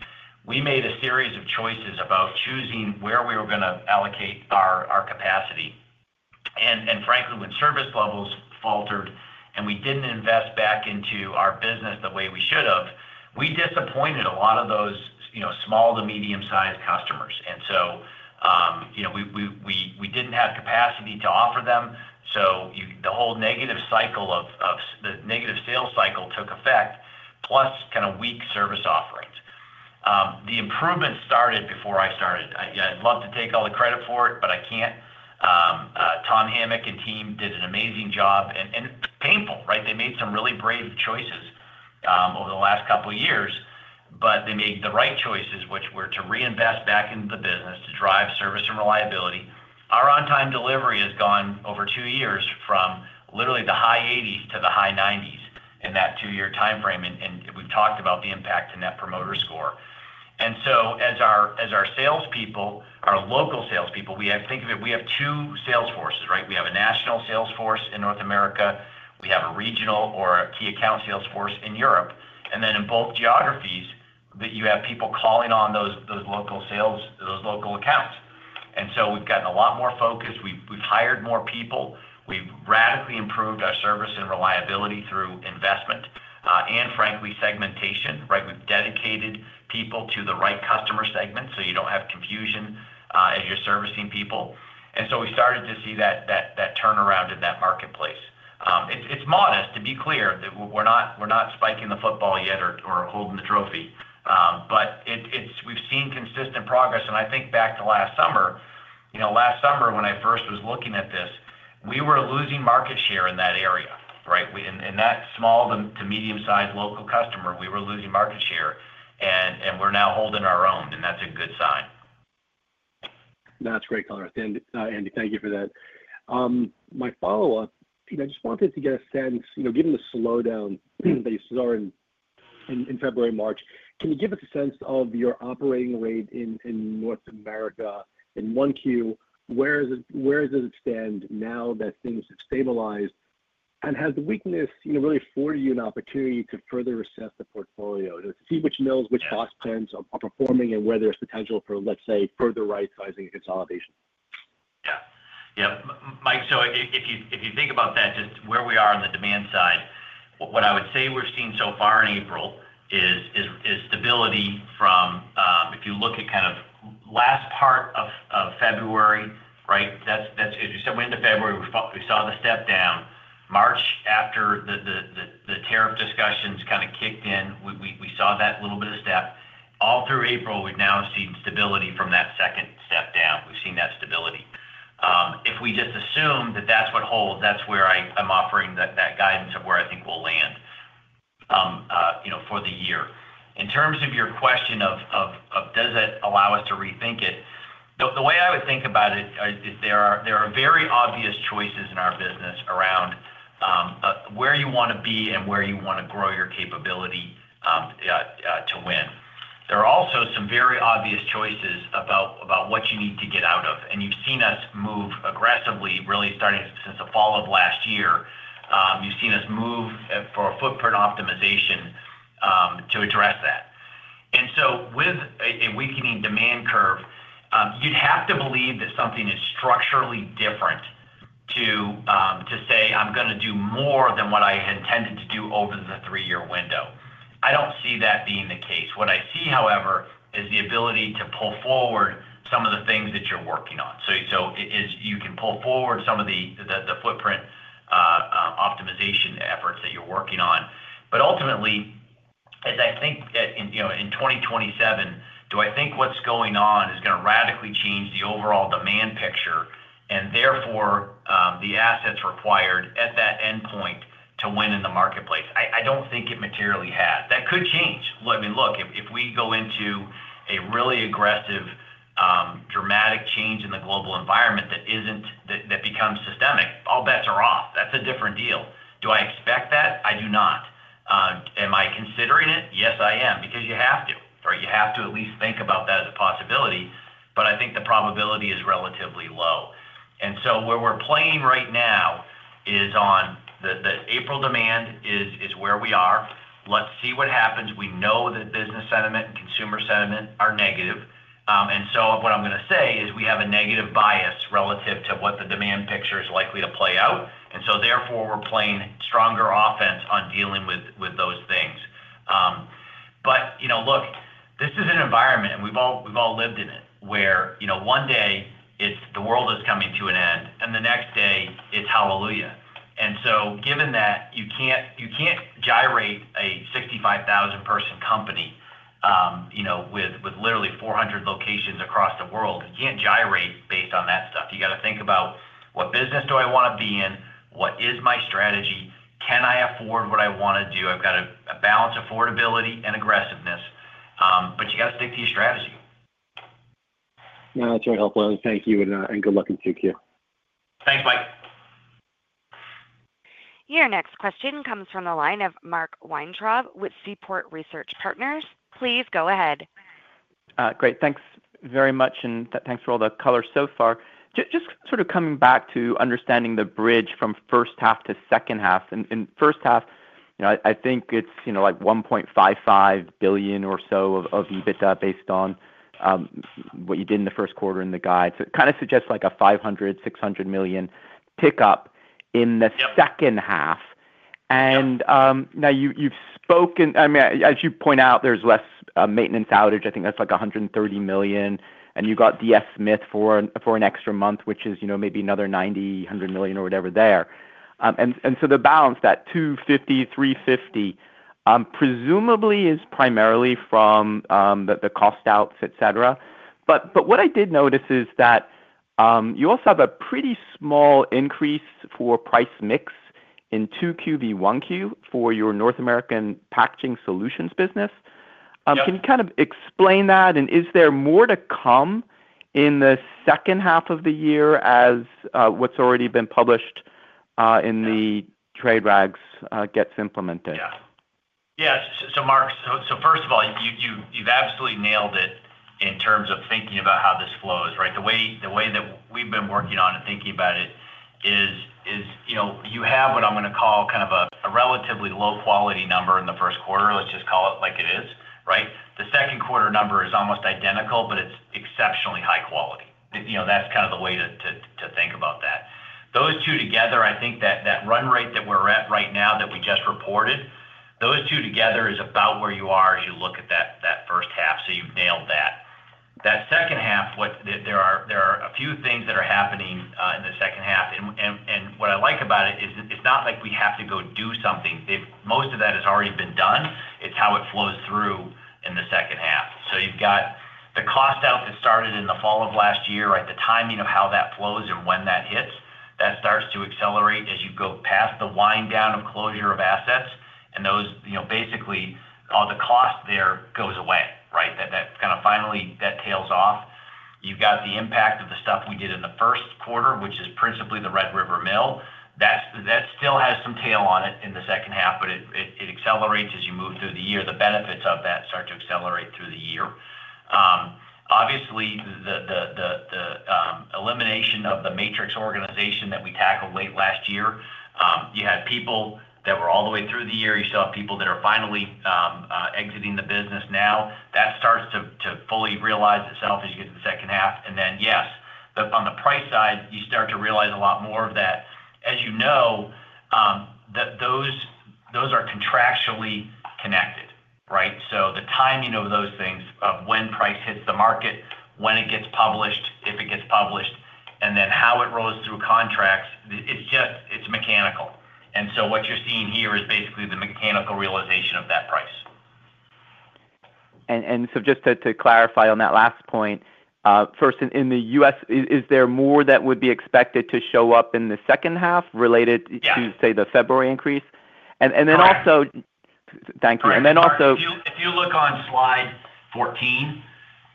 we made a series of choices about choosing where we were going to allocate our capacity. Frankly, when service levels faltered and we did not invest back into our business the way we should have, we disappointed a lot of those small to medium-sized customers. We did not have capacity to offer them. The whole negative cycle of the negative sales cycle took effect, plus kind of weak service offerings. The improvement started before I started. I'd love to take all the credit for it, but I can't. Tom Homan and team did an amazing job. Painful, right? They made some really brave choices over the last couple of years, but they made the right choices, which were to reinvest back into the business to drive service and reliability. Our on-time delivery has gone over two years from literally the high 80s to the high 90s in that two-year timeframe. We have talked about the impact in net promoter score. As our salespeople, our local salespeople, we think of it, we have two sales forces, right? We have a national sales force in North America. We have a regional or a key account sales force in Europe. In both geographies, you have people calling on those local accounts. We have gotten a lot more focused. We have hired more people. We've radically improved our service and reliability through investment and frankly segmentation, right? We've dedicated people to the right customer segment so you don't have confusion as you're servicing people. We started to see that turnaround in that marketplace. It's modest, to be clear. We're not spiking the football yet or holding the trophy. We've seen consistent progress. I think back to last summer, last summer when I first was looking at this, we were losing market share in that area, right? In that small to medium-sized local customer, we were losing market share. We're now holding our own. That's a good sign. That's great colors. Andy, thank you for that. My follow-up, I just wanted to get a sense, given the slowdown that you saw in February and March, can you give us a sense of your operating rate in North America in1Q? Where does it stand now that things have stabilized? Has the weakness really afforded you an opportunity to further assess the portfolio to see which mills, which cost plans are performing and where there's potential for, let's say, further right-sizing and consolidation? Yeah. Yeah. Mike, if you think about that, just where we are on the demand side, what I would say we're seeing so far in April is stability from if you look at kind of last part of February, right? As you said, we're into February. We saw the step down. March after the tariff discussions kind of kicked in, we saw that little bit of step. All through April, we've now seen stability from that second step down. We've seen that stability. If we just assume that that's what holds, that's where I'm offering that guidance of where I think we'll land for the year. In terms of your question of does it allow us to rethink it, the way I would think about it is there are very obvious choices in our business around where you want to be and where you want to grow your capability to win. There are also some very obvious choices about what you need to get out of. You've seen us move aggressively, really starting since the fall of last year. You've seen us move for footprint optimization to address that. With a weakening demand curve, you'd have to believe that something is structurally different to say, "I'm going to do more than what I intended to do over the three-year window." I don't see that being the case. What I see, however, is the ability to pull forward some of the things that you're working on. You can pull forward some of the footprint optimization efforts that you're working on. Ultimately, as I think in 2027, do I think what's going on is going to radically change the overall demand picture and therefore the assets required at that endpoint to win in the marketplace? I don't think it materially has. That could change. I mean, look, if we go into a really aggressive, dramatic change in the global environment that becomes systemic, all bets are off. That's a different deal. Do I expect that? I do not. Am I considering it? Yes, I am because you have to, right? You have to at least think about that as a possibility. I think the probability is relatively low. Where we are playing right now is on the April demand is where we are. Let's see what happens. We know that business sentiment and consumer sentiment are negative. What I am going to say is we have a negative bias relative to what the demand picture is likely to play out. Therefore, we are playing stronger offense on dealing with those things. Look, this is an environment, and we have all lived in it, where one day the world is coming to an end, and the next day it is hallelujah. Given that, you cannot gyrate a 65,000-person company with literally 400 locations across the world. You can't gyrate based on that stuff. You got to think about, "What business do I want to be in? What is my strategy? Can I afford what I want to do?" I've got to balance affordability and aggressiveness. You got to stick to your strategy. No, that's very helpful. Thank you. Good luck in 2Q. Thanks, Mike. Your next question comes from the line of Mark Weintraub with Seaport Research Partners. Please go ahead. Great. Thanks very much. Thanks for all the color so far. Just sort of coming back to understanding the bridge from first half to second half. In first half, I think it's like $1.55 billion or so of EBITDA based on what you did in the first quarter in the guide. It kind of suggests like a $500 million-$600 million pickup in the second half. Now you've spoken, I mean, as you point out, there's less maintenance outage. I think that's like $130 million. And you got DS Smith for an extra month, which is maybe another $90 million-$100 million or whatever there. The balance, that $250 million-$350 million, presumably is primarily from the cost outs, etc. What I did notice is that you also have a pretty small increase for price mix in 2Q versus 1Q for your North American packaging solutions business. Can you kind of explain that? Is there more to come in the second half of the year as what's already been published in the trade rags gets implemented? Yeah. Yeah. Mark, first of all, you've absolutely nailed it in terms of thinking about how this flows, right? The way that we've been working on and thinking about it is you have what I'm going to call kind of a relatively low-quality number in the first quarter. Let's just call it like it is, right? The second quarter number is almost identical, but it's exceptionally high quality. That's kind of the way to think about that. Those two together, I think that run rate that we're at right now that we just reported, those two together is about where you are as you look at that first half. You've nailed that. That second half, there are a few things that are happening in the second half. What I like about it is it's not like we have to go do something. Most of that has already been done. It's how it flows through in the second half. You have got the cost out that started in the fall of last year, right? The timing of how that flows and when that hits, that starts to accelerate as you go past the wind down of closure of assets. Basically, all the cost there goes away, right? That kind of finally tails off. You have got the impact of the stuff we did in the first quarter, which is principally the Red River Mill. That still has some tail on it in the second half, but it accelerates as you move through the year. The benefits of that start to accelerate through the year. Obviously, the elimination of the matrix organization that we tackled late last year, you had people that were all the way through the year. You still have people that are finally exiting the business now. That starts to fully realize itself as you get to the second half. Yes, on the price side, you start to realize a lot more of that. As you know, those are contractually connected, right? The timing of those things, of when price hits the market, when it gets published, if it gets published, and then how it rolls through contracts, it's mechanical. What you're seeing here is basically the mechanical realization of that price. Just to clarify on that last point, first, in the U.S., is there more that would be expected to show up in the second half related to, say, the February increase? Thank you. If you look on slide 14,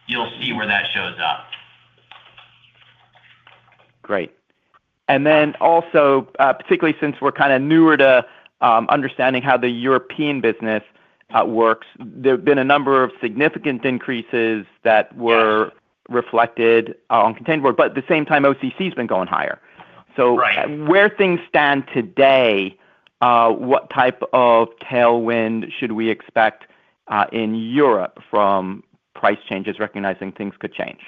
you'll see where that shows up. Great. Particularly since we're kind of newer to understanding how the European business works, there have been a number of significant increases that were reflected on containerboard. At the same time, OCC has been going higher. Where things stand today, what type of tailwind should we expect in Europe from price changes, recognizing things could change?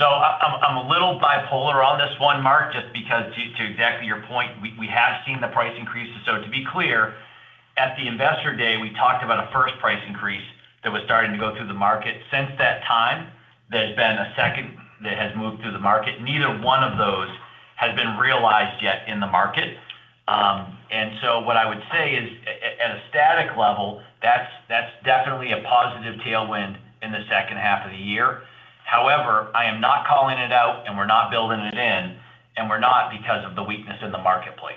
I'm a little bipolar on this one, Mark, just because to exactly your point, we have seen the price increases. To be clear, at the Investor Day, we talked about a first price increase that was starting to go through the market. Since that time, there's been a second that has moved through the market. Neither one of those has been realized yet in the market. What I would say is, at a static level, that's definitely a positive tailwind in the second half of the year. However, I am not calling it out, and we're not building it in, and we're not because of the weakness in the marketplace.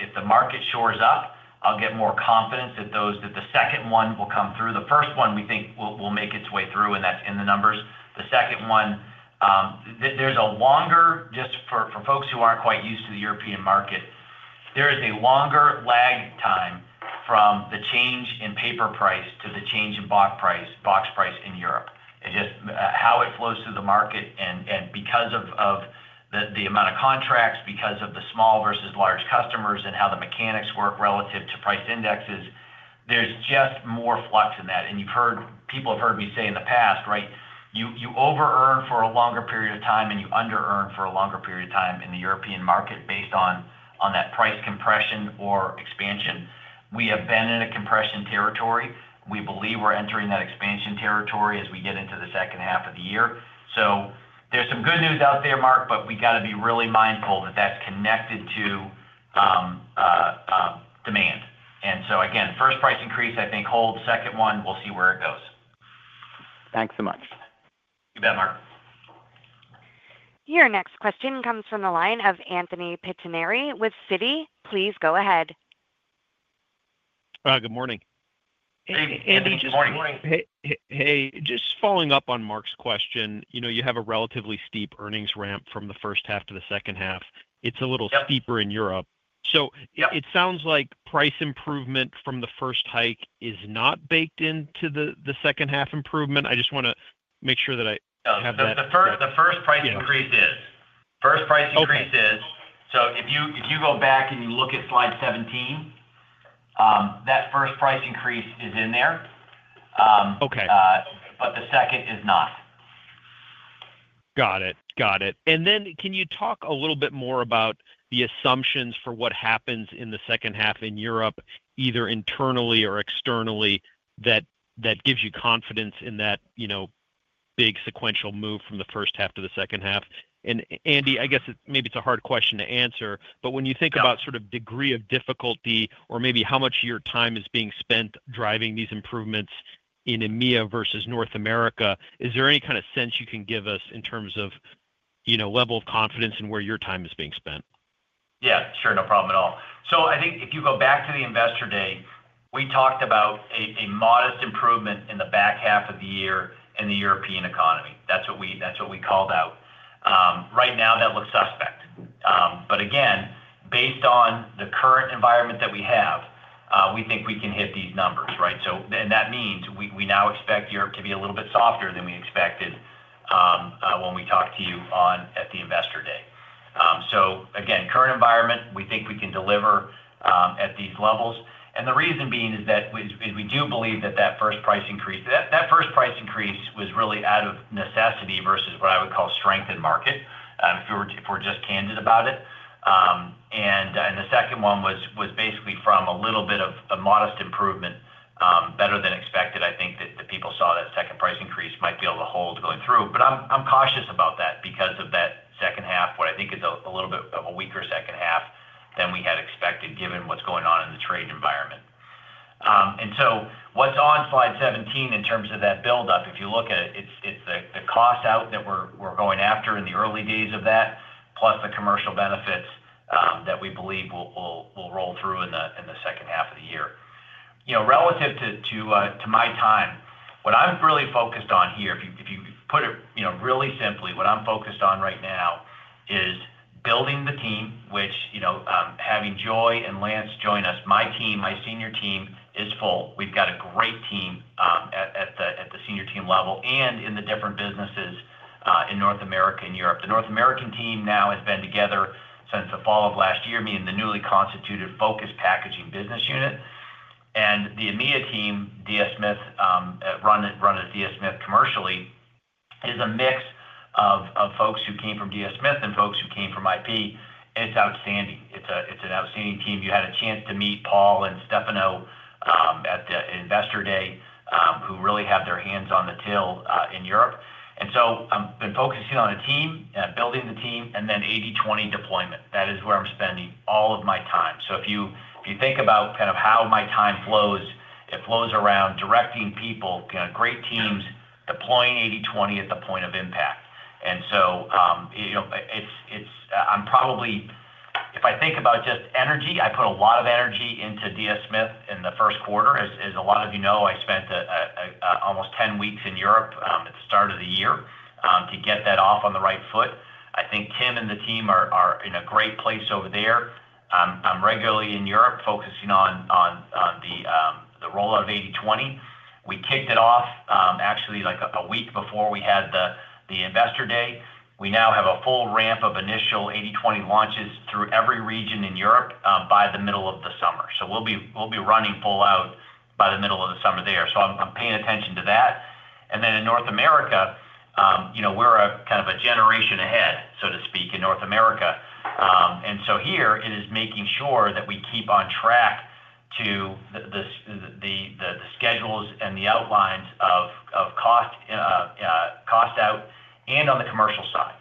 If the market shores up, I'll get more confidence that the second one will come through. The first one, we think, will make its way through, and that's in the numbers. The second one, just for folks who aren't quite used to the European market, there is a longer lag time from the change in paper price to the change in box price in Europe. Just how it flows through the market and because of the amount of contracts, because of the small versus large customers, and how the mechanics work relative to price indexes, there's just more flux in that. You have heard people have heard me say in the past, right? You over-earn for a longer period of time, and you under-earn for a longer period of time in the European market based on that price compression or expansion. We have been in a compression territory. We believe we are entering that expansion territory as we get into the second half of the year. There is some good news out there, Mark, but we have to be really mindful that that is connected to demand. Again, first price increase, I think, hold. Second one, we will see where it goes. Thanks so much. You bet, Mark. Your next question comes from the line of Anthony Pettinari with Citi. Please go ahead. Good morning. Anthony, good morning. Hey, just following up on Mark's question, you have a relatively steep earnings ramp from the first half to the second half. It's a little steeper in Europe. It sounds like price improvement from the first hike is not baked into the second half improvement. I just want to make sure that I have that. The first price increase is. First price increase is. If you go back and you look at slide 17, that first price increase is in there, but the second is not. Got it. Got it. Can you talk a little bit more about the assumptions for what happens in the second half in Europe, either internally or externally, that gives you confidence in that big sequential move from the first half to the second half? Andy, I guess maybe it's a hard question to answer, but when you think about sort of degree of difficulty or maybe how much your time is being spent driving these improvements in EMEA versus North America, is there any kind of sense you can give us in terms of level of confidence in where your time is being spent? Yeah. Sure. No problem at all. I think if you go back to the Investor Day, we talked about a modest improvement in the back half of the year in the European economy. That's what we called out. Right now, that looks suspect. Again, based on the current environment that we have, we think we can hit these numbers, right? That means we now expect Europe to be a little bit softer than we expected when we talked to you at the Investor Day. Again, current environment, we think we can deliver at these levels. The reason being is that we do believe that that first price increase, that first price increase was really out of necessity versus what I would call strength in market, if we're just candid about it. The second one was basically from a little bit of a modest improvement, better than expected. I think that people saw that second price increase might be able to hold going through. I'm cautious about that because of that second half, what I think is a little bit of a weaker second half than we had expected given what's going on in the trade environment. What's on slide 17 in terms of that buildup, if you look at it, it's the cost out that we're going after in the early days of that, plus the commercial benefits that we believe will roll through in the second half of the year. Relative to my time, what I'm really focused on here, if you put it really simply, what I'm focused on right now is building the team, which having Joy and Lance join us, my team, my senior team is full. We've got a great team at the senior team level and in the different businesses in North America and Europe. The North American team now has been together since the fall of last year, meaning the newly constituted focus packaging business unit. The EMEA team, DS Smith, run as DS Smith commercially, is a mix of folks who came from DS Smith and folks who came from IP. It's outstanding. It's an outstanding team. You had a chance to meet Paul and Stefano at the Investor Day who really have their hands on the till in Europe. I have been focusing on a team, building the team, and then 80/20 deployment. That is where I'm spending all of my time. If you think about kind of how my time flows, it flows around directing people, great teams, deploying 80/20 at the point of impact. I'm probably, if I think about just energy, I put a lot of energy into DS Smith in the first quarter. As a lot of you know, I spent almost 10 weeks in Europe at the start of the year to get that off on the right foot. I think Tim and the team are in a great place over there. I'm regularly in Europe focusing on the roll of 80/20. We kicked it off actually like a week before we had the Investor Day. We now have a full ramp of initial 80/20 launches through every region in Europe by the middle of the summer. We will be running full out by the middle of the summer there. I am paying attention to that. In North America, we're kind of a generation ahead, so to speak, in North America. Here, it is making sure that we keep on track to the schedules and the outlines of cost out and on the commercial side.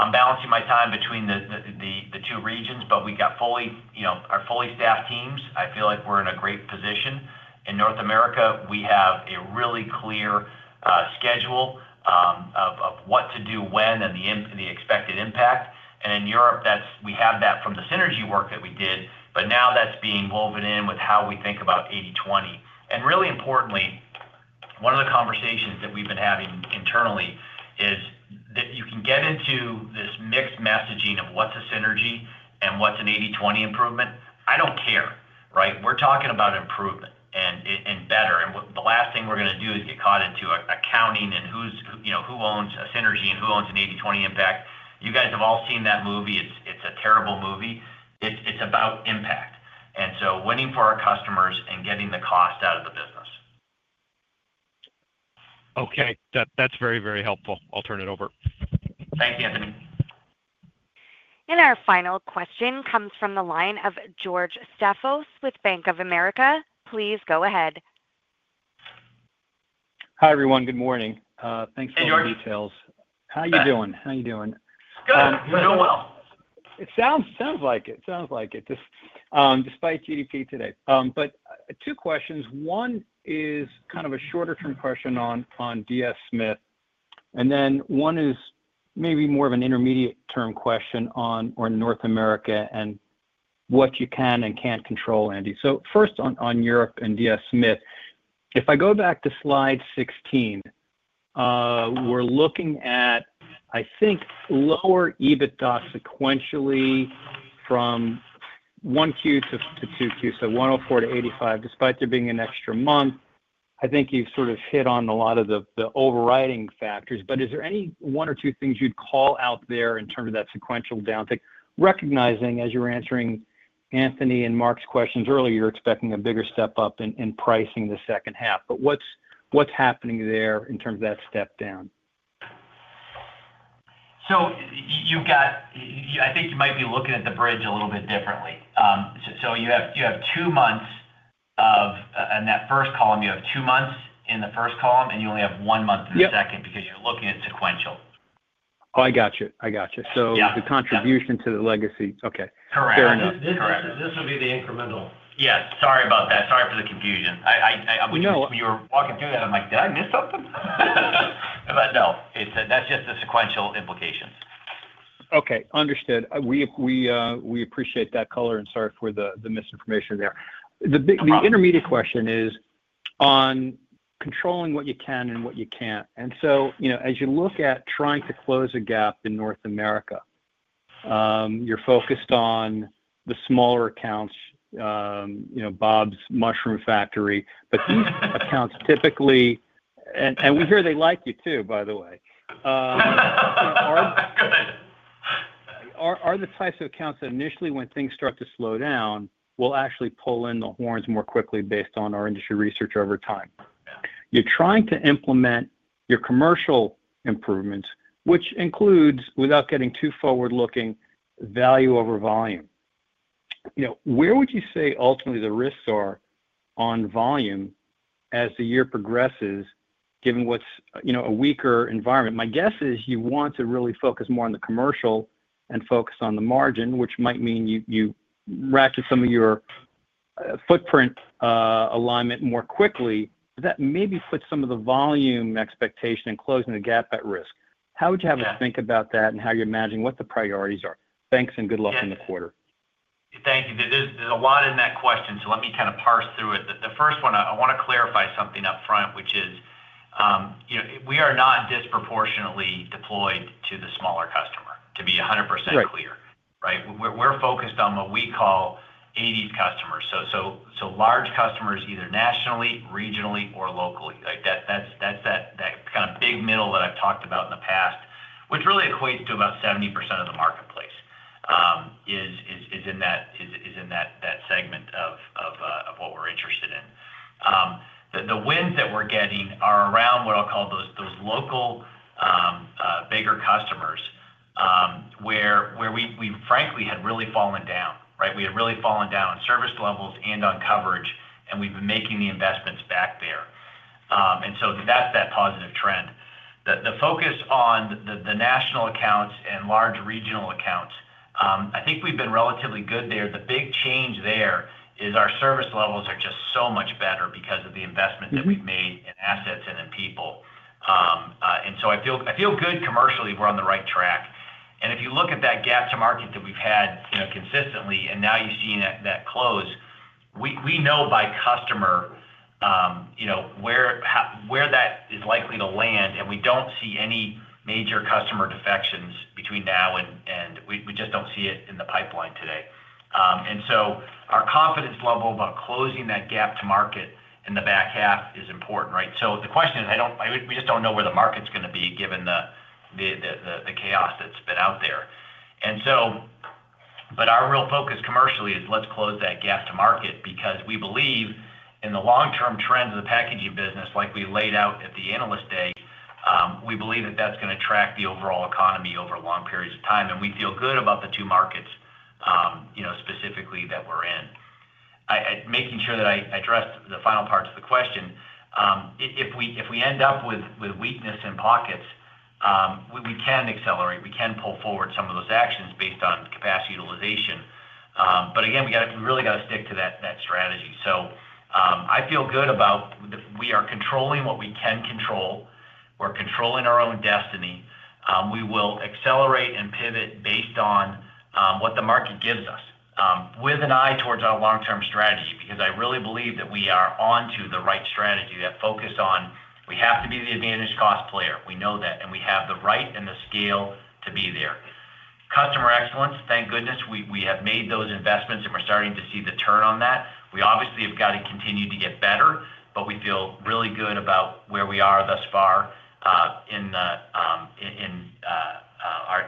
I'm balancing my time between the two regions, but we got our fully staffed teams. I feel like we're in a great position. In North America, we have a really clear schedule of what to do when and the expected impact. In Europe, we have that from the synergy work that we did, but now that's being woven in with how we think about 80/20. Really importantly, one of the conversations that we've been having internally is that you can get into this mixed messaging of what's a synergy and what's an 80/20 improvement. I don't care, right? We're talking about improvement and better. The last thing we're going to do is get caught into accounting and who owns a synergy and who owns an 80/20 impact. You guys have all seen that movie. It's a terrible movie. It's about impact. Winning for our customers and getting the cost out of the business. Okay. That's very, very helpful. I'll turn it over. Thank you, Anthony. Our final question comes from the line of George Staphos with Bank of America. Please go ahead. Hi everyone. Good morning. Thanks for all the details. How are you doing? How are you doing? Good. You're doing well. It sounds like it. It sounds like it, despite GDP today. Two questions. One is kind of a shorter-term question on DS Smith. One is maybe more of an intermediate-term question on North America and what you can and can't control, Andy. First on Europe and DS Smith, if I go back to slide 16, we're looking at, I think, lower EBITDA sequentially from 1Q to 2Q, so 104 to 85, despite there being an extra month. I think you've sort of hit on a lot of the overriding factors. Is there any one or two things you'd call out there in terms of that sequential down? Recognizing, as you were answering Anthony and Mark's questions earlier, you're expecting a bigger step up in pricing the second half. What's happening there in terms of that step down? I think you might be looking at the bridge a little bit differently. You have two months in that first column, you have two months in the first column, and you only have one month in the second because you're looking at sequential. Oh, I gotcha. I gotcha. The contribution to the legacy. Okay. Correct. Correct. This will be the incremental. Yes. Sorry about that. Sorry for the confusion. When you were walking through that, I'm like, "Did I miss something?" but no, that's just the sequential implications. Okay. Understood. We appreciate that color and sorry for the misinformation there. The intermediate question is on controlling what you can and what you can't. As you look at trying to close a gap in North America, you're focused on the smaller accounts, Bob's Mushroom Factory. These accounts typically—and we hear they like you too, by the way—are the types of accounts that initially, when things start to slow down, will actually pull in the horns more quickly based on our industry research over time. You're trying to implement your commercial improvements, which includes, without getting too forward-looking, value over volume. Where would you say ultimately the risks are on volume as the year progresses, given what's a weaker environment? My guess is you want to really focus more on the commercial and focus on the margin, which might mean you ratchet some of your footprint alignment more quickly. That maybe puts some of the volume expectation and closing the gap at risk. How would you have a think about that and how you're managing what the priorities are? Thanks and good luck in the quarter. Thank you. There's a lot in that question, so let me kind of parse through it. The first one, I want to clarify something upfront, which is we are not disproportionately deployed to the smaller customer, to be 100% clear, right? We're focused on what we call 80s customers. So large customers either nationally, regionally, or locally. That's that kind of big middle that I've talked about in the past, which really equates to about 70% of the marketplace, is in that segment of what we're interested in. The wins that we're getting are around what I'll call those local bigger customers where we, frankly, had really fallen down, right? We had really fallen down on service levels and on coverage, and we've been making the investments back there. That is that positive trend. The focus on the national accounts and large regional accounts, I think we've been relatively good there. The big change there is our service levels are just so much better because of the investment that we've made in assets and in people. I feel good commercially. We're on the right track. If you look at that gap to market that we've had consistently, and now you're seeing that close, we know by customer where that is likely to land, and we don't see any major customer defections between now and we just don't see it in the pipeline today. Our confidence level about closing that gap to market in the back half is important, right? The question is, we just don't know where the market's going to be given the chaos that's been out there. Our real focus commercially is let's close that gap to market because we believe in the long-term trends of the packaging business, like we laid out at the analyst day, we believe that that's going to track the overall economy over long periods of time. We feel good about the two markets specifically that we're in. Making sure that I addressed the final parts of the question, if we end up with weakness in pockets, we can accelerate. We can pull forward some of those actions based on capacity utilization. Again, we really got to stick to that strategy. I feel good about we are controlling what we can control. We're controlling our own destiny. We will accelerate and pivot based on what the market gives us with an eye towards our long-term strategy because I really believe that we are onto the right strategy that focuses on we have to be the advantage cost player. We know that, and we have the right and the scale to be there. Customer excellence, thank goodness. We have made those investments, and we're starting to see the turn on that. We obviously have got to continue to get better, but we feel really good about where we are thus far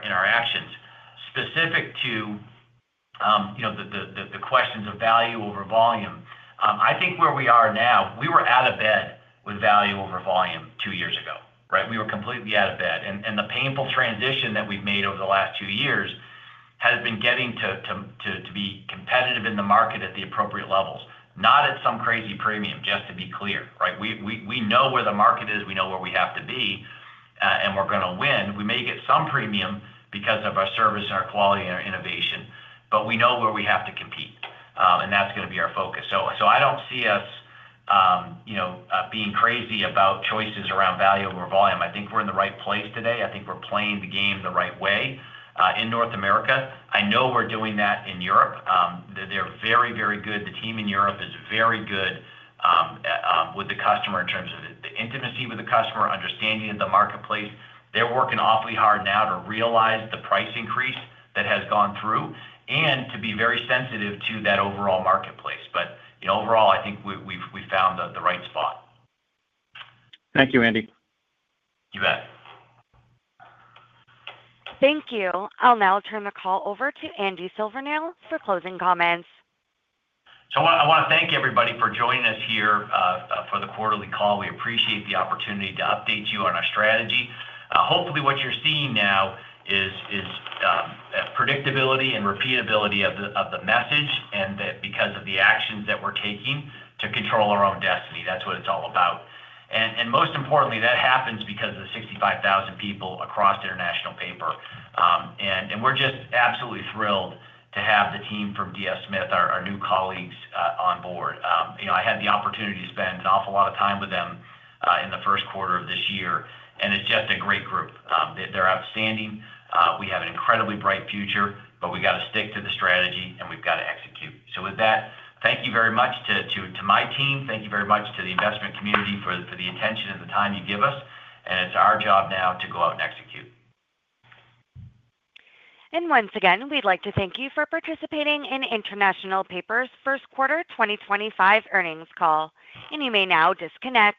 in our actions. Specific to the questions of value over volume, I think where we are now, we were out of bed with value over volume two years ago, right? We were completely out of bed. The painful transition that we've made over the last two years has been getting to be competitive in the market at the appropriate levels, not at some crazy premium, just to be clear, right? We know where the market is. We know where we have to be, and we're going to win. We may get some premium because of our service and our quality and our innovation, but we know where we have to compete, and that's going to be our focus. I don't see us being crazy about choices around value over volume. I think we're in the right place today. I think we're playing the game the right way in North America. I know we're doing that in Europe. They're very, very good. The team in Europe is very good with the customer in terms of the intimacy with the customer, understanding of the marketplace. They're working awfully hard now to realize the price increase that has gone through and to be very sensitive to that overall marketplace. Overall, I think we've found the right spot. Thank you, Andy. You bet. Thank you. I'll now turn the call over to Andy Silvernail for closing comments. I want to thank everybody for joining us here for the quarterly call. We appreciate the opportunity to update you on our strategy. Hopefully, what you're seeing now is predictability and repeatability of the message because of the actions that we're taking to control our own destiny. That's what it's all about. Most importantly, that happens because of the 65,000 people across International Paper. We're just absolutely thrilled to have the team from DS Smith, our new colleagues, on board. I had the opportunity to spend an awful lot of time with them in the first quarter of this year, and it's just a great group. They're outstanding. We have an incredibly bright future, but we got to stick to the strategy, and we've got to execute. Thank you very much to my team. Thank you very much to the investment community for the attention and the time you give us. It's our job now to go out and execute. We'd like to thank you for participating in International Paper's first quarter 2025 earnings call. You may now disconnect.